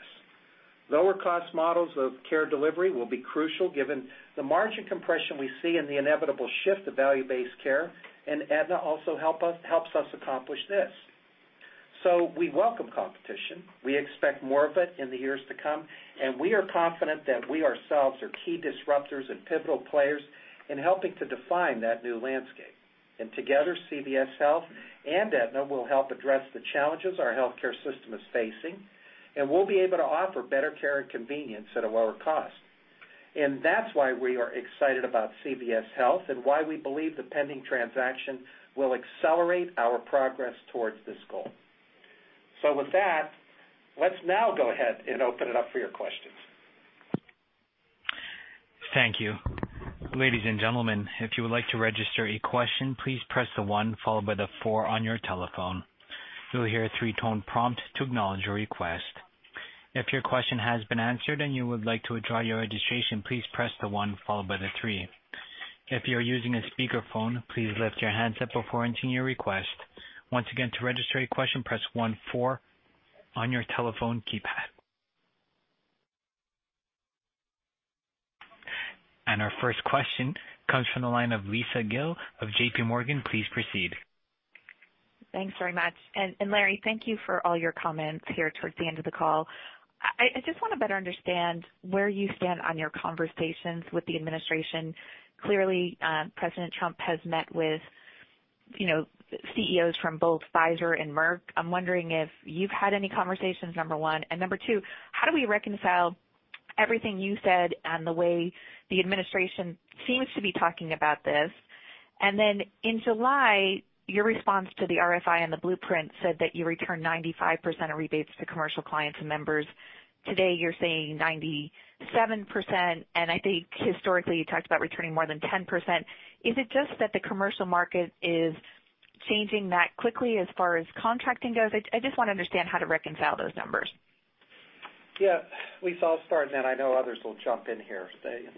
Lower cost models of care delivery will be crucial given the margin compression we see in the inevitable shift to value-based care, Aetna also helps us accomplish this. We welcome competition. We expect more of it in the years to come, we are confident that we ourselves are key disruptors and pivotal players in helping to define that new landscape. Together, CVS Health and Aetna will help address the challenges our healthcare system is facing, we'll be able to offer better care and convenience at a lower cost. That's why we are excited about CVS Health and why we believe the pending transaction will accelerate our progress towards this goal. With that, let's now go ahead and open it up for your questions. Thank you. Ladies and gentlemen, if you would like to register a question, please press the one followed by the four on your telephone. You'll hear a three-tone prompt to acknowledge your request. If your question has been answered and you would like to withdraw your registration, please press the one followed by the three. If you're using a speakerphone, please lift your handset before entering your request. Once again, to register a question, press one, four on your telephone keypad. Our first question comes from the line of Lisa Gill of JPMorgan. Please proceed. Thanks very much. Larry, thank you for all your comments here towards the end of the call. I just want to better understand where you stand on your conversations with the administration. Clearly, President Trump has met with CEOs from both Pfizer and Merck. I'm wondering if you've had any conversations, number one. Number two, how do we reconcile everything you said and the way the administration seems to be talking about this? Then in July, your response to the RFI and the Blueprint said that you return 95% of rebates to commercial clients and members. Today, you're saying 97%, and I think historically, you talked about returning more than 10%. Is it just that the commercial market is changing that quickly as far as contracting goes? I just want to understand how to reconcile those numbers. Yeah. Lisa, I'll start, then I know others will jump in here.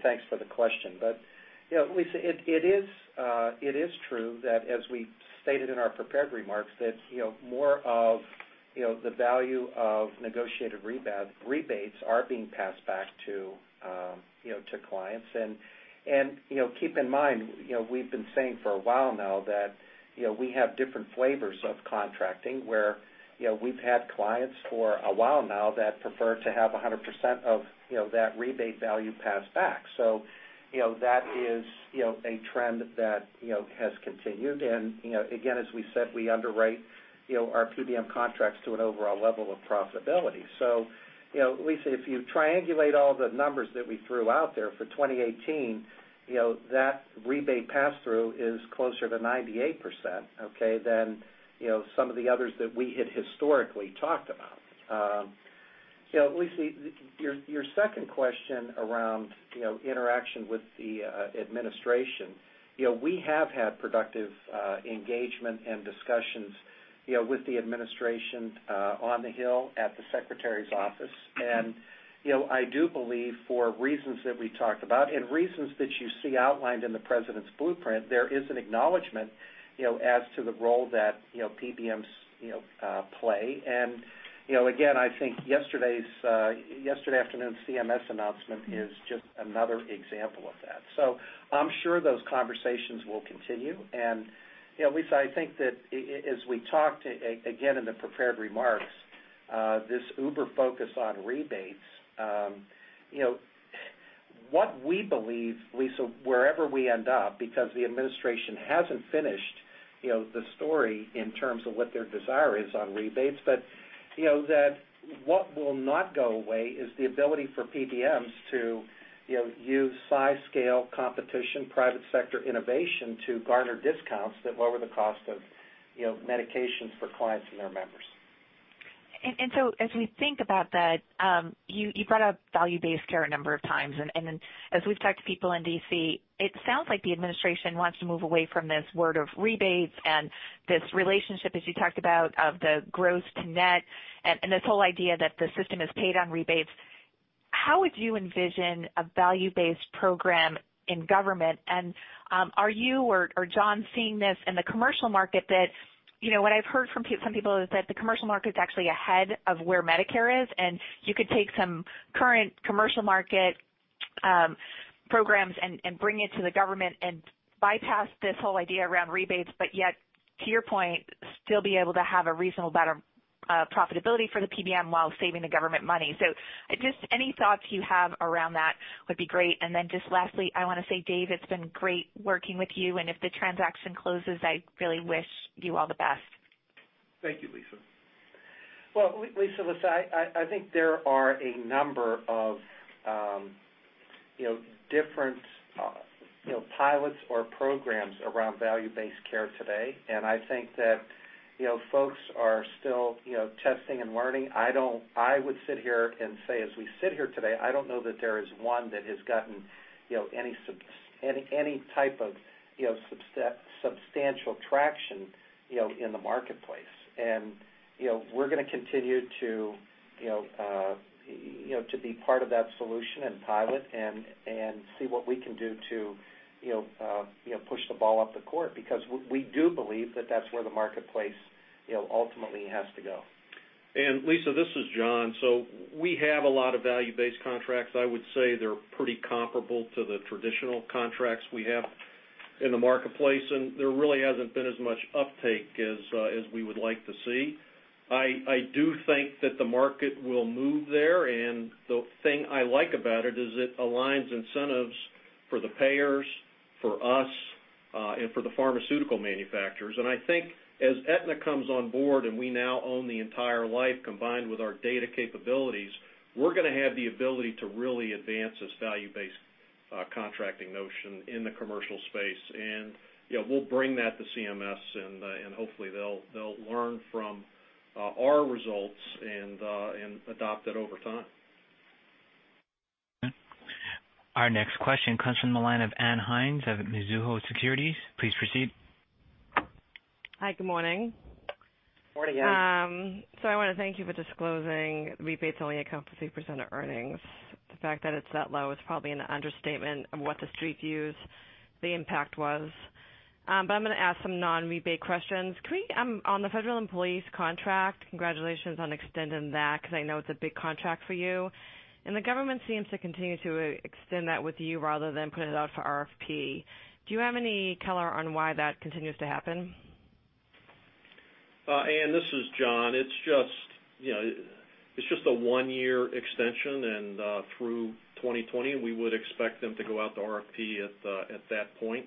Thanks for the question. Lisa, it is true that, as we stated in our prepared remarks, that more of the value of negotiated rebates are being passed back to clients. Keep in mind, we've been saying for a while now that we have different flavors of contracting where we've had clients for a while now that prefer to have 100% of that rebate value passed back. That is a trend that has continued. Again, as we said, we underwrite our PBM contracts to an overall level of profitability. Lisa, if you triangulate all the numbers that we threw out there for 2018, that rebate pass-through is closer to 98%, okay, than some of the others that we had historically talked about. Lisa, your second question around interaction with the administration. We have had productive engagement and discussions with the administration on the Hill at the secretary's office. I do believe for reasons that we talked about and reasons that you see outlined in the president's blueprint, there is an acknowledgment as to the role that PBMs play. Again, I think yesterday afternoon's CMS announcement is just another example of that. I'm sure those conversations will continue. Lisa, I think that as we talked, again, in the prepared remarks, this uber focus on rebates. What we believe, Lisa, wherever we end up, because the administration hasn't finished the story in terms of what their desire is on rebates. What will not go away is the ability for PBMs to use size, scale, competition, private sector innovation to garner discounts that lower the cost of medications for clients and their members. As we think about that, you brought up value-based care a number of times, then as we've talked to people in D.C., it sounds like the administration wants to move away from this word of rebates and this relationship, as you talked about, of the gross to net and this whole idea that the system is paid on rebates. How would you envision a value-based program in government? Are you or Jon seeing this in the commercial market that what I've heard from some people is that the commercial market's actually ahead of where Medicare is, and you could take some current commercial market programs and bring it to the government and bypass this whole idea around rebates, but yet, to your point, still be able to have a reasonable, better profitability for the PBM while saving the government money. Just any thoughts you have around that would be great. Just lastly, I want to say, Dave, it's been great working with you, and if the transaction closes, I really wish you all the best. Thank you, Lisa. Well, Lisa, listen, I think there are a number of different pilots or programs around value-based care today, and I think that folks are still testing and learning. I would sit here and say, as we sit here today, I don't know that there is one that has gotten any type of substantial traction in the marketplace. We're going to continue to be part of that solution and pilot and see what we can do to push the ball up the court, because we do believe that that's where the marketplace ultimately has to go. Lisa, this is Jon. We have a lot of value-based contracts. I would say they're pretty comparable to the traditional contracts we have in the marketplace, and there really hasn't been as much uptake as we would like to see. I do think that the market will move there, and the thing I like about it is it aligns incentives for the payers, for us, and for the pharmaceutical manufacturers. I think as Aetna comes on board and we now own the entire life, combined with our data capabilities, we're going to have the ability to really advance this value-based contracting notion in the commercial space. We'll bring that to CMS, and hopefully they'll learn from our results and adopt it over time. Our next question comes from the line of Ann Hynes of Mizuho Securities. Please proceed. Hi, good morning. Morning, Ann. I want to thank you for disclosing rebates only account for 3% of earnings. The fact that it's that low is probably an understatement of what the Street views the impact was. I'm going to ask some non-rebate questions. On the Federal Employees contract, congratulations on extending that, because I know it's a big contract for you. The government seems to continue to extend that with you rather than put it out for RFP. Do you have any color on why that continues to happen? Ann, this is Jon. It's just a one-year extension, and through 2020, we would expect them to go out to RFP at that point.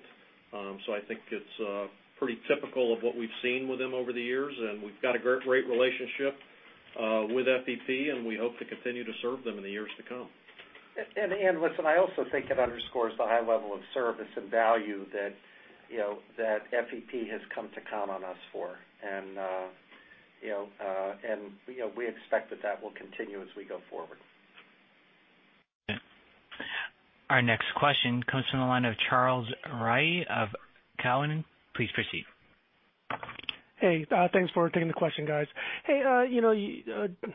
I think it's pretty typical of what we've seen with them over the years, and we've got a great relationship with FEP, and we hope to continue to serve them in the years to come. Ann, listen, I also think it underscores the high level of service and value that FEP has come to count on us for. We expect that that will continue as we go forward. Our next question comes from the line of Charles Rhyee of Cowen. Please proceed. Hey, thanks for taking the question, guys. Hey,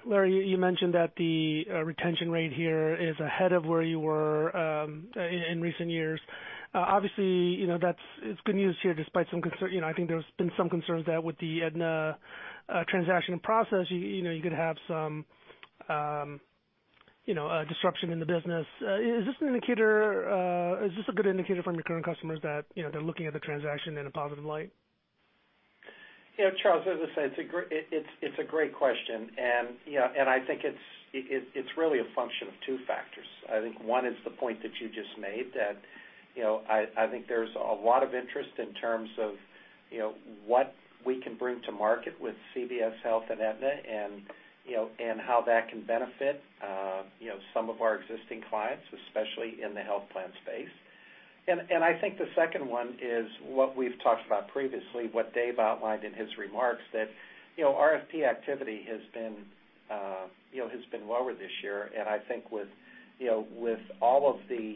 Larry, you mentioned that the retention rate here is ahead of where you were, in recent years. Obviously, it's good news here despite some concern. I think there's been some concerns that with the Aetna transaction process, you could have some disruption in the business. Is this a good indicator from your current customers that they're looking at the transaction in a positive light? Yeah, Charles, as I said, it's a great question. I think it's really a function of two factors. I think one is the point that you just made, that I think there's a lot of interest in terms of what we can bring to market with CVS Health and Aetna and how that can benefit some of our existing clients, especially in the health plan space. I think the second one is what we've talked about previously, what Dave outlined in his remarks, that RFP activity has been lower this year, and I think with all of the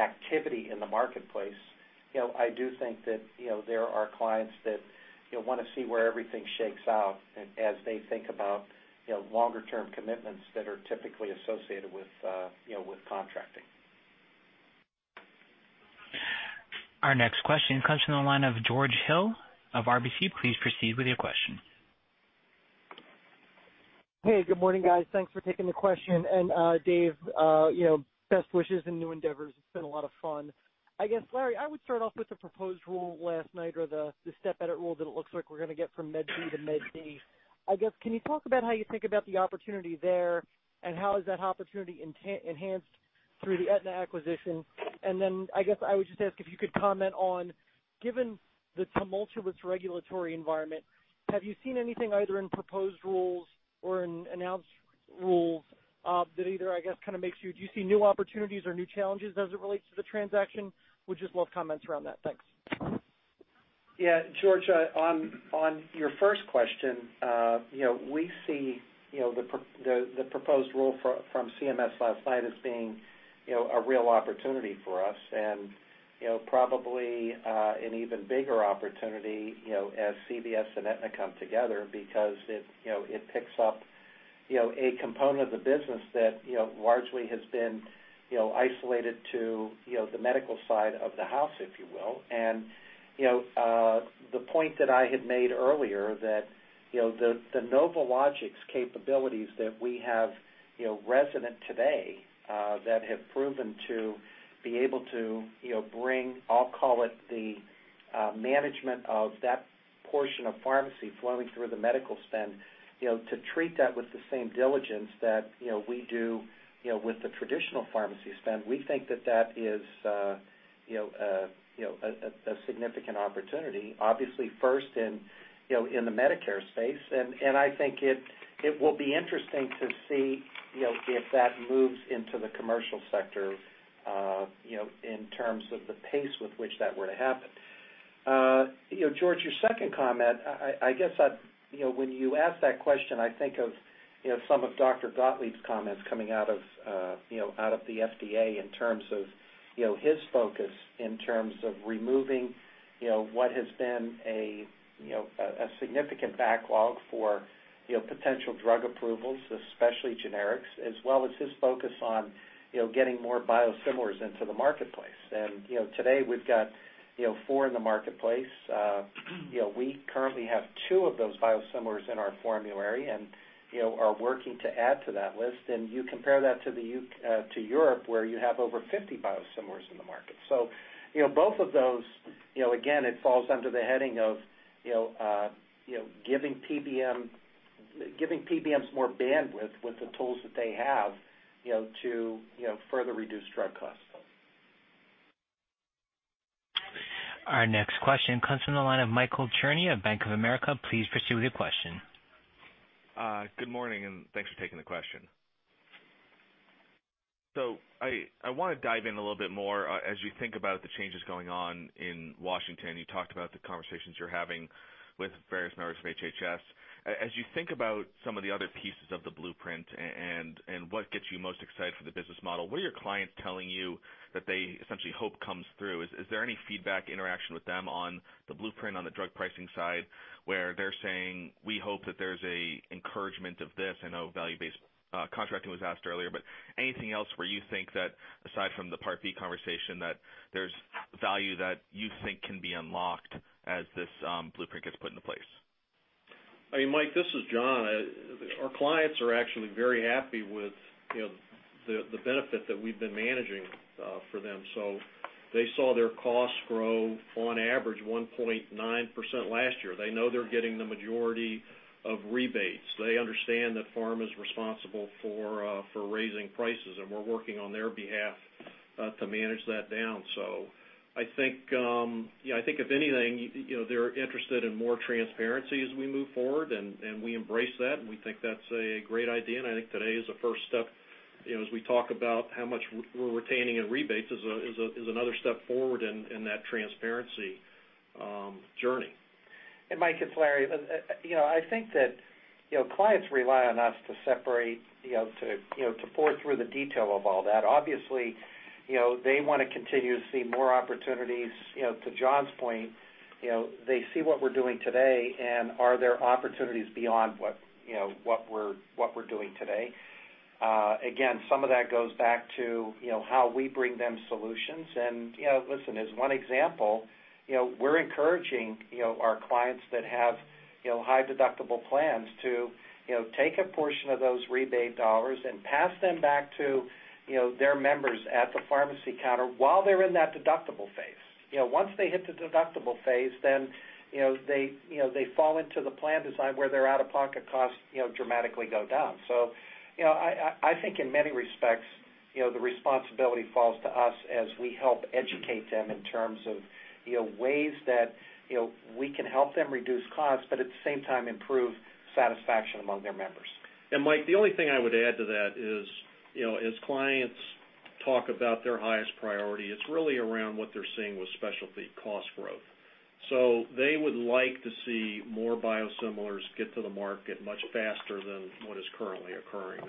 activity in the marketplace, I do think that there are clients that want to see where everything shakes out, as they think about longer term commitments that are typically associated with contracting. Our next question comes from the line of George Hill of RBC. Please proceed with your question. Good morning, guys. Thanks for taking the question. Dave, best wishes in new endeavors. It's been a lot of fun. Larry, I would start off with the proposed rule last night or the step edit rule that it looks like we're going to get from Med B to Med D. Can you talk about how you think about the opportunity there, and how is that opportunity enhanced Through the Aetna acquisition. Then I would just ask if you could comment on, given the tumultuous regulatory environment, have you seen anything either in proposed rules or in announced rules that either kind of makes you Do you see new opportunities or new challenges as it relates to the transaction? Would just love comments around that. Thanks. Yeah. George, on your first question, we see the proposed rule from CMS last night as being a real opportunity for us and probably an even bigger opportunity as CVS and Aetna come together because it picks up a component of the business that largely has been isolated to the medical side of the house, if you will. The point that I had made earlier that the NovoLogix capabilities that we have resonant today that have proven to be able to bring, I'll call it, the management of that portion of pharmacy flowing through the medical spend to treat that with the same diligence that we do with the traditional pharmacy spend. We think that that is a significant opportunity, obviously first in the Medicare space. I think it will be interesting to see if that moves into the commercial sector, in terms of the pace with which that were to happen. George, your second comment, when you ask that question, I think of some of Dr. Gottlieb's comments coming out of the FDA in terms of his focus in terms of removing what has been a significant backlog for potential drug approvals, especially generics, as well as his focus on getting more biosimilars into the marketplace. Today we've got four in the marketplace. We currently have two of those biosimilars in our formulary and are working to add to that list. You compare that to Europe, where you have over 50 biosimilars in the market. Both of those, again, it falls under the heading of giving PBMs more bandwidth with the tools that they have to further reduce drug costs. Our next question comes from the line of Michael Cherny of Bank of America. Please proceed with your question. Good morning, and thanks for taking the question. I want to dive in a little bit more as you think about the changes going on in Washington. You talked about the conversations you're having with various members of HHS. As you think about some of the other pieces of the Blueprint and what gets you most excited for the business model, what are your clients telling you that they essentially hope comes through? Is there any feedback interaction with them on the Blueprint on the drug pricing side where they're saying, "We hope that there's an encouragement of this." I know value-based contracting was asked earlier, but anything else where you think that aside from the Part D conversation, that there's value that you think can be unlocked as this Blueprint gets put into place? Mike, this is Jon. Our clients are actually very happy with the benefit that we've been managing for them. They saw their costs grow on average 1.9% last year. They know they're getting the majority of rebates. They understand that pharma's responsible for raising prices, we're working on their behalf to manage that down. I think if anything, they're interested in more transparency as we move forward, we embrace that, and we think that's a great idea. I think today is a first step as we talk about how much we're retaining in rebates is another step forward in that transparency journey. Mike, it's Larry. I think that clients rely on us to separate, to pour through the detail of all that. Obviously, they want to continue to see more opportunities. To Jon's point, they see what we're doing today. Are there opportunities beyond what we're doing today? Again, some of that goes back to how we bring them solutions. Listen, as one example, we're encouraging our clients that have high deductible plans to take a portion of those rebate dollars and pass them back to their members at the pharmacy counter while they're in that deductible phase. Once they hit the deductible phase, then they fall into the plan design where their out-of-pocket costs dramatically go down. I think in many respects, the responsibility falls to us as we help educate them in terms of ways that we can help them reduce costs, but at the same time, improve satisfaction among their members. Mike, the only thing I would add to that is, as clients talk about their highest priority, it's really around what they're seeing with specialty cost growth. They would like to see more biosimilars get to the market much faster than what is currently occurring.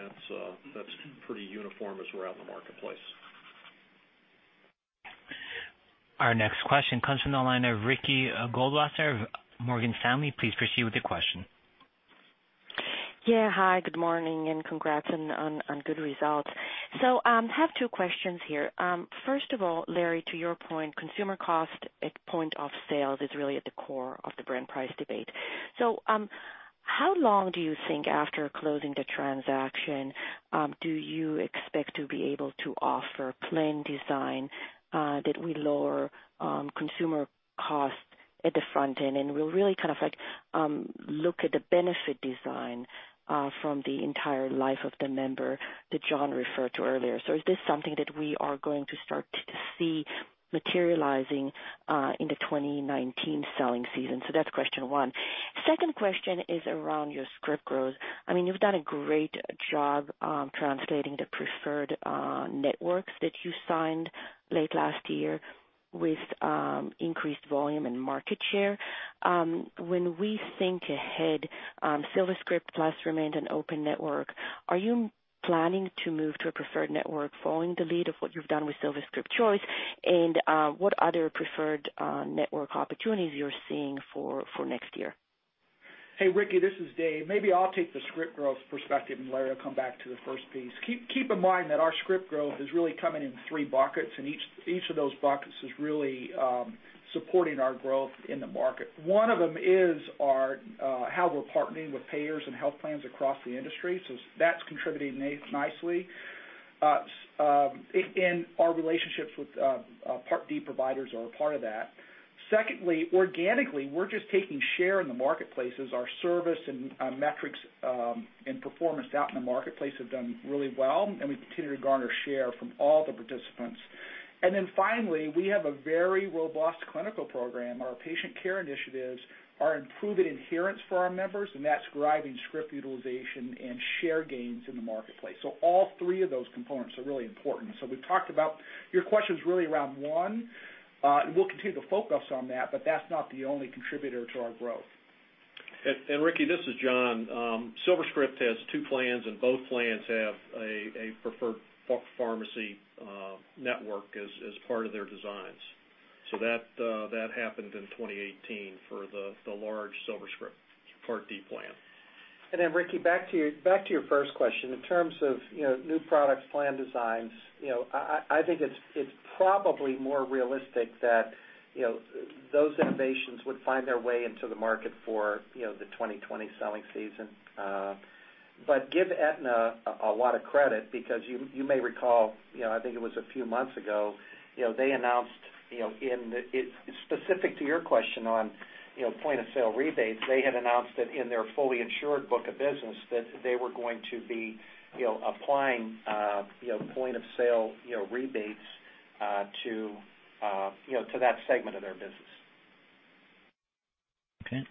That's pretty uniform as we're out in the marketplace. Our next question comes from the line of Ricky Goldwasser of Morgan Stanley. Please proceed with your question. Yeah. Hi, good morning, and congrats on good results. I have two questions here. First of all, Larry, to your point, consumer cost at point of sale is really at the core of the brand price debate. How long do you think after closing the transaction, do you expect to be able to offer plan design that will lower consumer cost at the front end, and we'll really look at the benefit design from the entire life of the member that Jon referred to earlier. Is this something that we are going to start to see materializing in the 2019 selling season? That's question one. Second question is around your script growth. You've done a great job translating the preferred networks that you signed late last year with increased volume and market share. When we think ahead, SilverScript Plus remained an open network. Are you planning to move to a preferred network following the lead of what you've done with SilverScript Choice? What other preferred network opportunities you're seeing for next year? Hey, Ricky, this is Dave. Maybe I'll take the script growth perspective, Larry will come back to the first piece. Keep in mind that our script growth is really coming in three buckets, each of those buckets is really supporting our growth in the market. One of them is how we're partnering with payers and health plans across the industry. That's contributing nicely. Our relationships with Part D providers are a part of that. Secondly, organically, we're just taking share in the marketplaces. Our service and metrics, and performance out in the marketplace have done really well, we continue to garner share from all the participants. Finally, we have a very robust clinical program. Our patient care initiatives are improving adherence for our members, that's driving script utilization and share gains in the marketplace. All three of those components are really important. We've talked about, your question's really around one, we'll continue to focus on that's not the only contributor to our growth. Ricky, this is Jon. SilverScript has two plans, Both plans have a preferred pharmacy network as part of their designs. That happened in 2018 for the large SilverScript Part D plan. Ricky, back to your first question, in terms of new products, plan designs, I think it's probably more realistic that those innovations would find their way into the market for the 2020 selling season. Give Aetna a lot of credit because you may recall, I think it was a few months ago, they announced in, specific to your question on point of sale rebates, they had announced that in their fully insured book of business that they were going to be applying point of sale rebates to that segment of their business. Okay.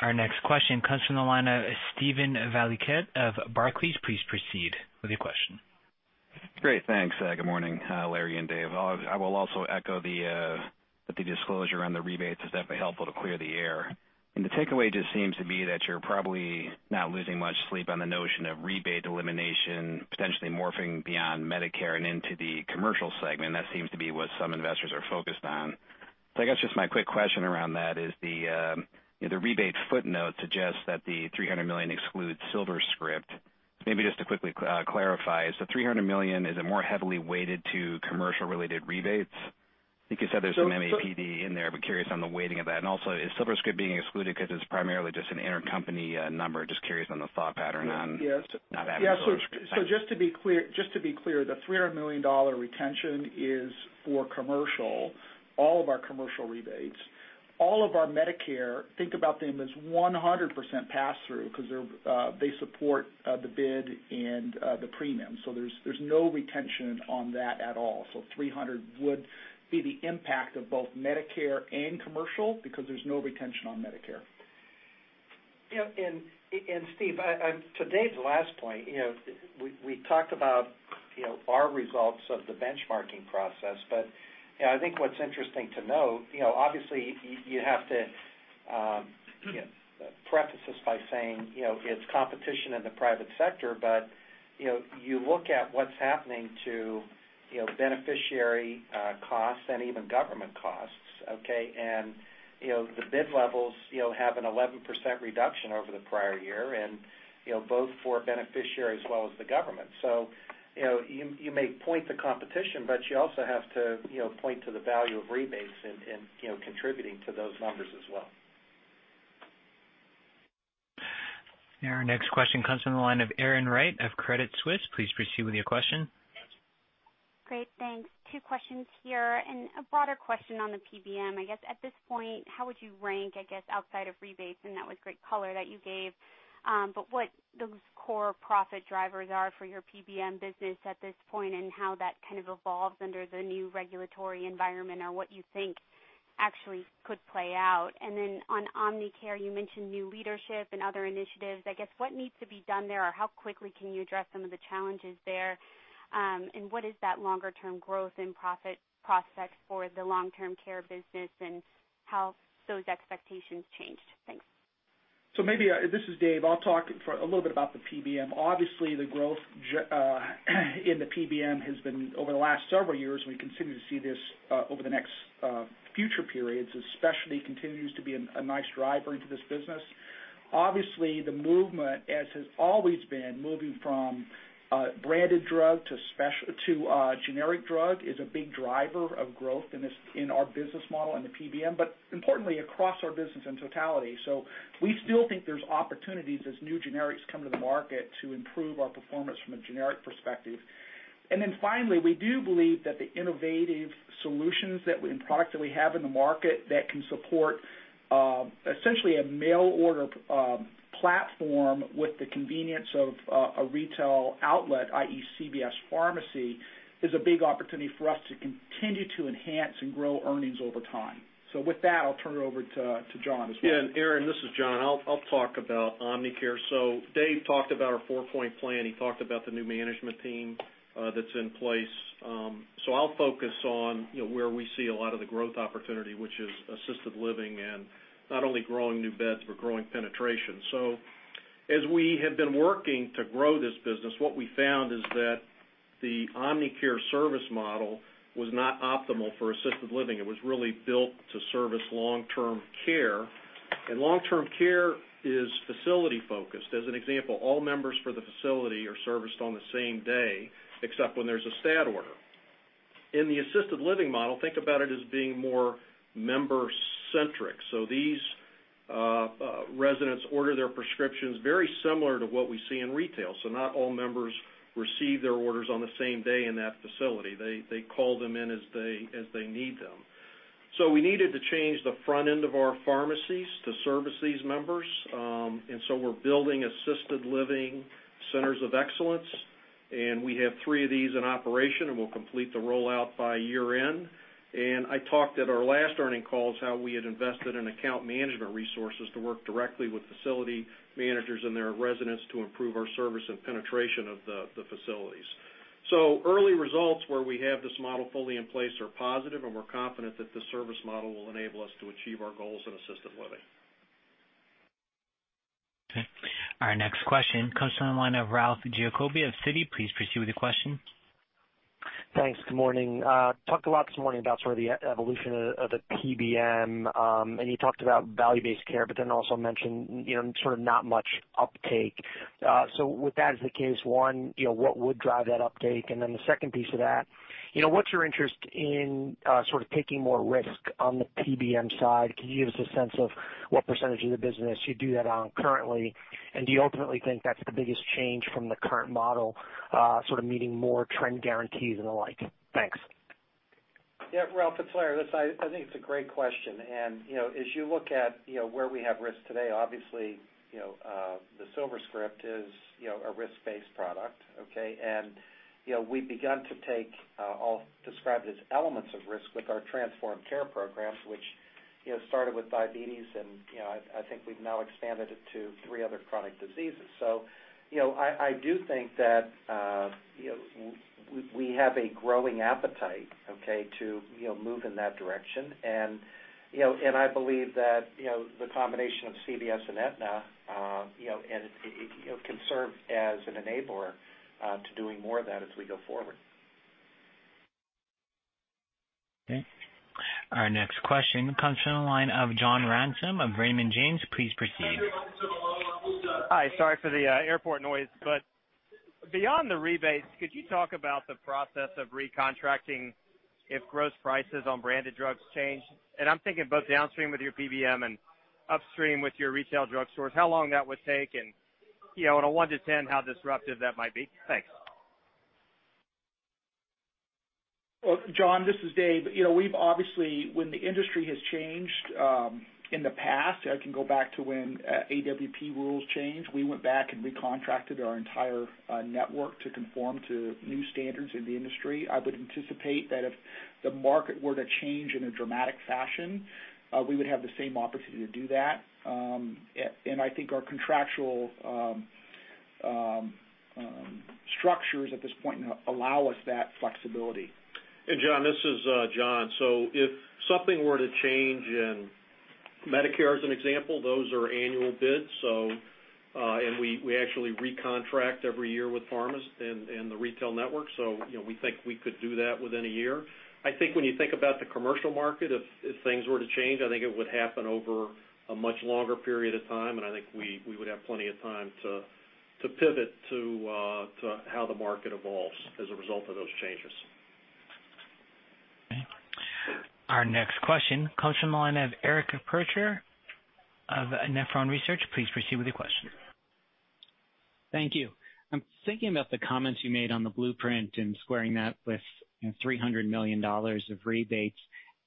Our next question comes from the line of Steven Valiquette of Barclays. Please proceed with your question. Great. Thanks. Good morning, Larry and Dave. I will also echo that the disclosure on the rebates is definitely helpful to clear the air. The takeaway just seems to be that you're probably not losing much sleep on the notion of rebate elimination, potentially morphing beyond Medicare and into the commercial segment. That seems to be what some investors are focused on. I guess just my quick question around that is, the rebate footnote suggests that the $300 million excludes SilverScript. Maybe just to quickly clarify, $300 million, is it more heavily weighted to commercial related rebates? I think you said there's some MAPD in there, but curious on the weighting of that. Also, is SilverScript being excluded because it's primarily just an intercompany number? Just curious on the thought pattern on Yes that resource. Just to be clear, the $300 million retention is for commercial, all of our commercial rebates. All of our Medicare, think about them as 100% pass-through because they support the bid and the premium. There's no retention on that at all. $300 would be the impact of both Medicare and commercial because there's no retention on Medicare. Yeah, Steve, to Dave's last point, we talked about our results of the benchmarking process. I think what's interesting to note, obviously you have to preface this by saying, it's competition in the private sector, but you look at what's happening to beneficiary costs and even government costs, okay? The bid levels have an 11% reduction over the prior year and both for beneficiary as well as the government. You may point to competition, but you also have to point to the value of rebates in contributing to those numbers as well. Our next question comes from the line of Erin Wright of Credit Suisse. Please proceed with your question. Great, thanks. Two questions here, a broader question on the PBM. I guess at this point, how would you rank, I guess, outside of rebates, and that was great color that you gave, but what those core profit drivers are for your PBM business at this point and how that kind of evolves under the new regulatory environment and what you think actually could play out. Then on Omnicare, you mentioned new leadership and other initiatives. I guess what needs to be done there, or how quickly can you address some of the challenges there? What is that longer term growth and profit prospect for the long-term care business and how those expectations changed? Thanks. this is Dave, I'll talk a little bit about the PBM. Obviously, the growth in the PBM has been over the last several years. We continue to see this over the next future periods, especially continues to be a nice driver into this business. Obviously, the movement, as has always been, moving from branded drug to generic drug is a big driver of growth in our business model and the PBM, but importantly, across our business in totality. We still think there's opportunities as new generics come to the market to improve our performance from a generic perspective. Finally, we do believe that the innovative solutions and product that we have in the market that can support essentially a mail order platform with the convenience of a retail outlet, i.e. CVS Pharmacy, is a big opportunity for us to continue to enhance and grow earnings over time. With that, I'll turn it over to Jon as well. Erin, this is Jon. I'll talk about Omnicare. Dave talked about our four-point plan. He talked about the new management team that's in place. I'll focus on where we see a lot of the growth opportunity, which is assisted living, not only growing new beds, but growing penetration. As we have been working to grow this business, what we found is that the Omnicare service model was not optimal for assisted living. It was really built to service long-term care. Long-term care is facility focused. As an example, all members for the facility are serviced on the same day, except when there's a stat order. In the assisted living model, think about it as being more member centric. These residents order their prescriptions very similar to what we see in retail. Not all members receive their orders on the same day in that facility. They call them in as they need them. We needed to change the front end of our pharmacies to service these members. We're building assisted living centers of excellence, and we have three of these in operation, and we'll complete the rollout by year end. I talked at our last earnings calls how we had invested in account management resources to work directly with facility managers and their residents to improve our service and penetration of the facilities. Early results where we have this model fully in place are positive, and we're confident that this service model will enable us to achieve our goals in assisted living. Okay. Our next question comes from the line of Ralph Giacobbe of Citi. Please proceed with your question. Thanks. Good morning. Talked a lot this morning about sort of the evolution of the PBM, you talked about value-based care, also mentioned sort of not much uptake. With that as the case, one, what would drive that uptake? The second piece of that, what's your interest in sort of taking more risk on the PBM side? Can you give us a sense of what % of the business you do that on currently? Do you ultimately think that's the biggest change from the current model, sort of meeting more trend guarantees and the like? Thanks. Yeah, Ralph, it's Larry. Listen, I think it's a great question, as you look at where we have risk today, obviously, the SilverScript is a risk-based product, okay? We've begun to take, I'll describe it as elements of risk with our transformed care programs, which started with diabetes, I think we've now expanded it to three other chronic diseases. I do think that we have a growing appetite, okay, to move in that direction. I believe that the combination of CVS and Aetna can serve as an enabler to doing more of that as we go forward. Okay. Our next question comes from the line of John Ransom of Raymond James. Please proceed. Hi. Sorry for the airport noise. Beyond the rebates, could you talk about the process of recontracting if gross prices on branded drugs change? I'm thinking both downstream with your PBM and upstream with your retail drugstores, how long that would take, and on a one to 10, how disruptive that might be? Thanks. Well, John, this is Dave. We've obviously, when the industry has changed in the past, I can go back to when AWP rules changed. We went back and recontracted our entire network to conform to new standards in the industry. I would anticipate that if the market were to change in a dramatic fashion, we would have the same opportunity to do that. I think our contractual structures at this point allow us that flexibility. John, this is Jon. If something were to change in Medicare, as an example, those are annual bids, and we actually recontract every year with pharmas and the retail network. We think we could do that within a year. I think when you think about the commercial market, if things were to change, I think it would happen over a much longer period of time, and I think we would have plenty of time to pivot to how the market evolves as a result of those changes. Okay. Our next question comes from the line of Eric Percher of Nephron Research. Please proceed with your question. Thank you. I'm thinking about the comments you made on the American Patients First blueprint and squaring that with $300 million of rebates,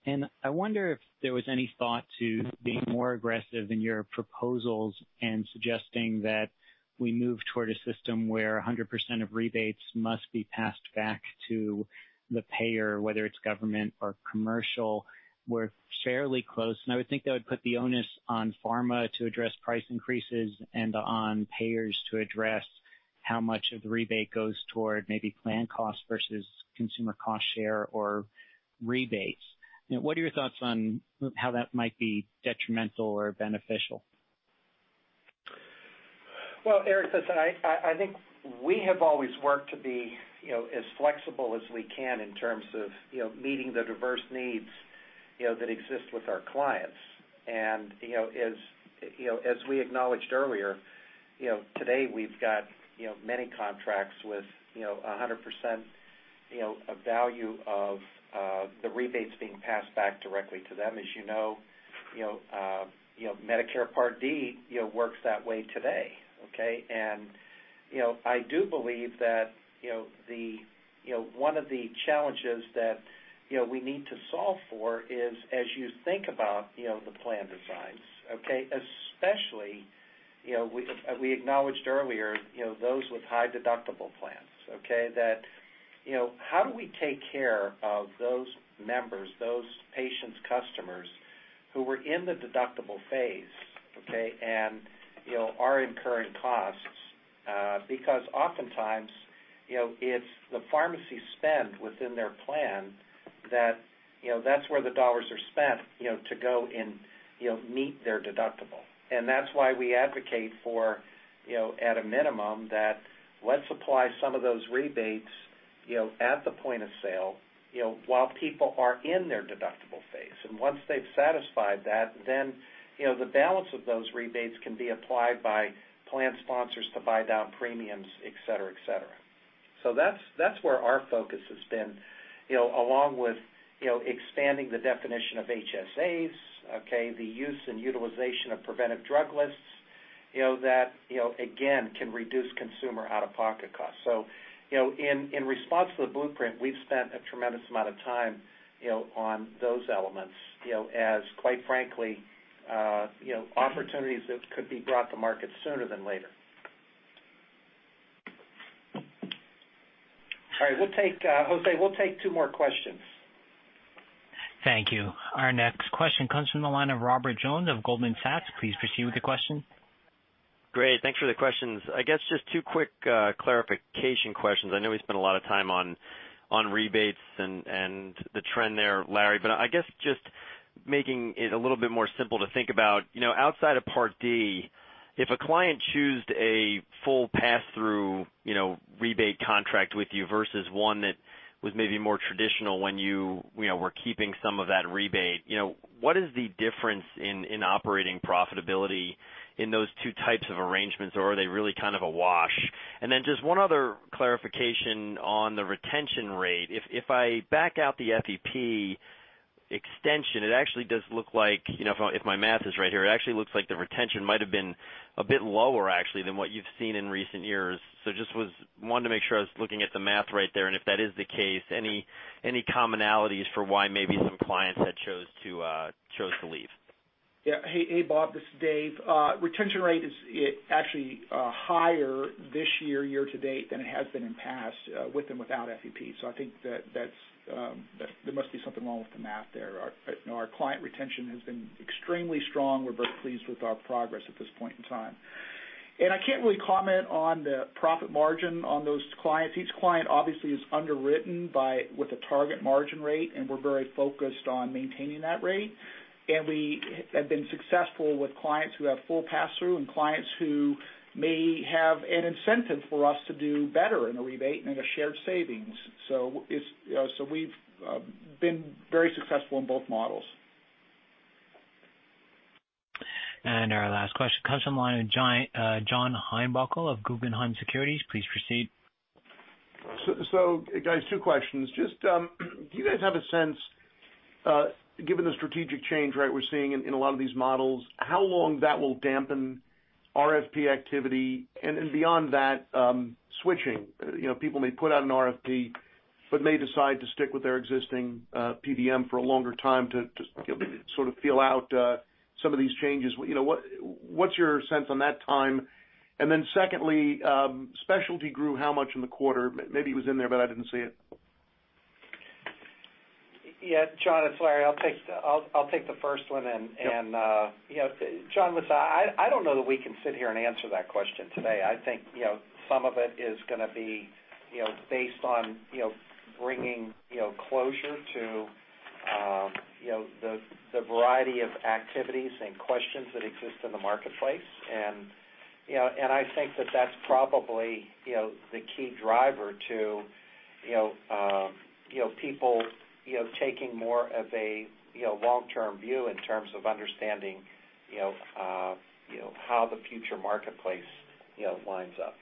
and I wonder if there was any thought to being more aggressive in your proposals and suggesting that we move toward a system where 100% of rebates must be passed back to the payer, whether it's government or commercial. We're fairly close, and I would think that would put the onus on pharma to address price increases and on payers to address how much of the rebate goes toward maybe plan cost versus consumer cost share or rebates. What are your thoughts on how that might be detrimental or beneficial? Well, Eric, listen, I think we have always worked to be as flexible as we can in terms of meeting the diverse needs that exist with our clients. As we acknowledged earlier, today we've got many contracts with 100% value of the rebates being passed back directly to them. As you know, Medicare Part D works that way today. Okay. I do believe that one of the challenges that we need to solve for is, as you think about the plan designs, okay, especially, we acknowledged earlier, those with high deductible plans, okay? How do we take care of those members, those patients, customers who were in the deductible phase, okay, and are incurring costs? Because oftentimes, it's the pharmacy spend within their plan, that's where the dollars are spent to go and meet their deductible. That's why we advocate for, at a minimum, that let's apply some of those rebates at the point of sale while people are in their deductible phase. Once they've satisfied that, the balance of those rebates can be applied by plan sponsors to buy down premiums, et cetera. That's where our focus has been, along with expanding the definition of HSAs, okay, the use and utilization of preventive drug lists, that, again, can reduce consumer out-of-pocket costs. In response to the American Patients First blueprint, we've spent a tremendous amount of time on those elements, as quite frankly, opportunities that could be brought to market sooner than later. All right, Jose, we'll take two more questions. Thank you. Our next question comes from the line of Robert Jones of Goldman Sachs. Please proceed with your question. Great. Thanks for the questions. I guess just two quick clarification questions. I know we spent a lot of time on rebates and the trend there, Larry, but I guess just making it a little bit more simple to think about, outside of Medicare Part D, if a client choose a full pass-through rebate contract with you versus one that was maybe more traditional when you were keeping some of that rebate, what is the difference in operating profitability in those 2 types of arrangements, or are they really kind of a wash? Just one other clarification on the retention rate. If I back out the FEP extension, it actually does look like, if my math is right here, it actually looks like the retention might have been a bit lower, actually, than what you've seen in recent years. Just wanted to make sure I was looking at the math right there, and if that is the case, any commonalities for why maybe some clients had chose to leave? Yeah. Hey, Bob, this is Dave. Retention rate is actually higher this year-to-date than it has been in past, with and without FEP. I think there must be something wrong with the math there. Our client retention has been extremely strong. We're very pleased with our progress at this point in time. I can't really comment on the profit margin on those clients. Each client obviously is underwritten with a target margin rate, and we're very focused on maintaining that rate. We have been successful with clients who have full pass-through and clients who may have an incentive for us to do better in a rebate and in a shared savings. We've been very successful in both models. Our last question comes from line of John Heinbockel of Guggenheim Securities. Please proceed. Guys, two questions. Do you guys have a sense, given the strategic change, we're seeing in a lot of these models, how long that will dampen RFP activity? Beyond that, switching. People may put out an RFP, but may decide to stick with their existing PBM for a longer time to sort of feel out some of these changes. What's your sense on that time? Then secondly, specialty grew how much in the quarter? Maybe it was in there, but I didn't see it. John, it's Larry. I'll take the first one and- Yep. John, listen, I don't know that we can sit here and answer that question today. I think some of it is going to be based on bringing closure to the variety of activities and questions that exist in the marketplace. I think that that's probably the key driver to people taking more of a long-term view in terms of understanding how the future marketplace winds up.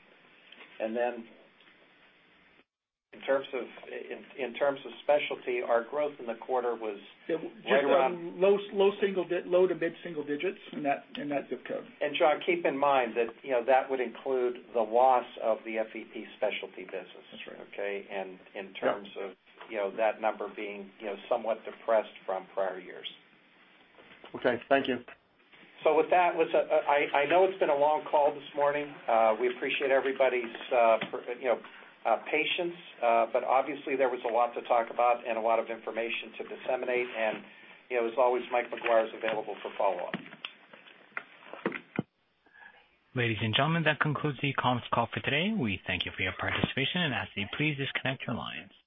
Then in terms of specialty, our growth in the quarter was right around- Low to mid single digits in that zip code. John, keep in mind that would include the loss of the FEP specialty business. That's right. Okay? In terms of that number being somewhat depressed from prior years. Okay. Thank you. With that, listen, I know it's been a long call this morning. We appreciate everybody's patience. Obviously, there was a lot to talk about and a lot of information to disseminate. As always, Mike McGuire is available for follow-up. Ladies and gentlemen, that concludes the conference call for today. We thank you for your participation, and I ask that you please disconnect your lines.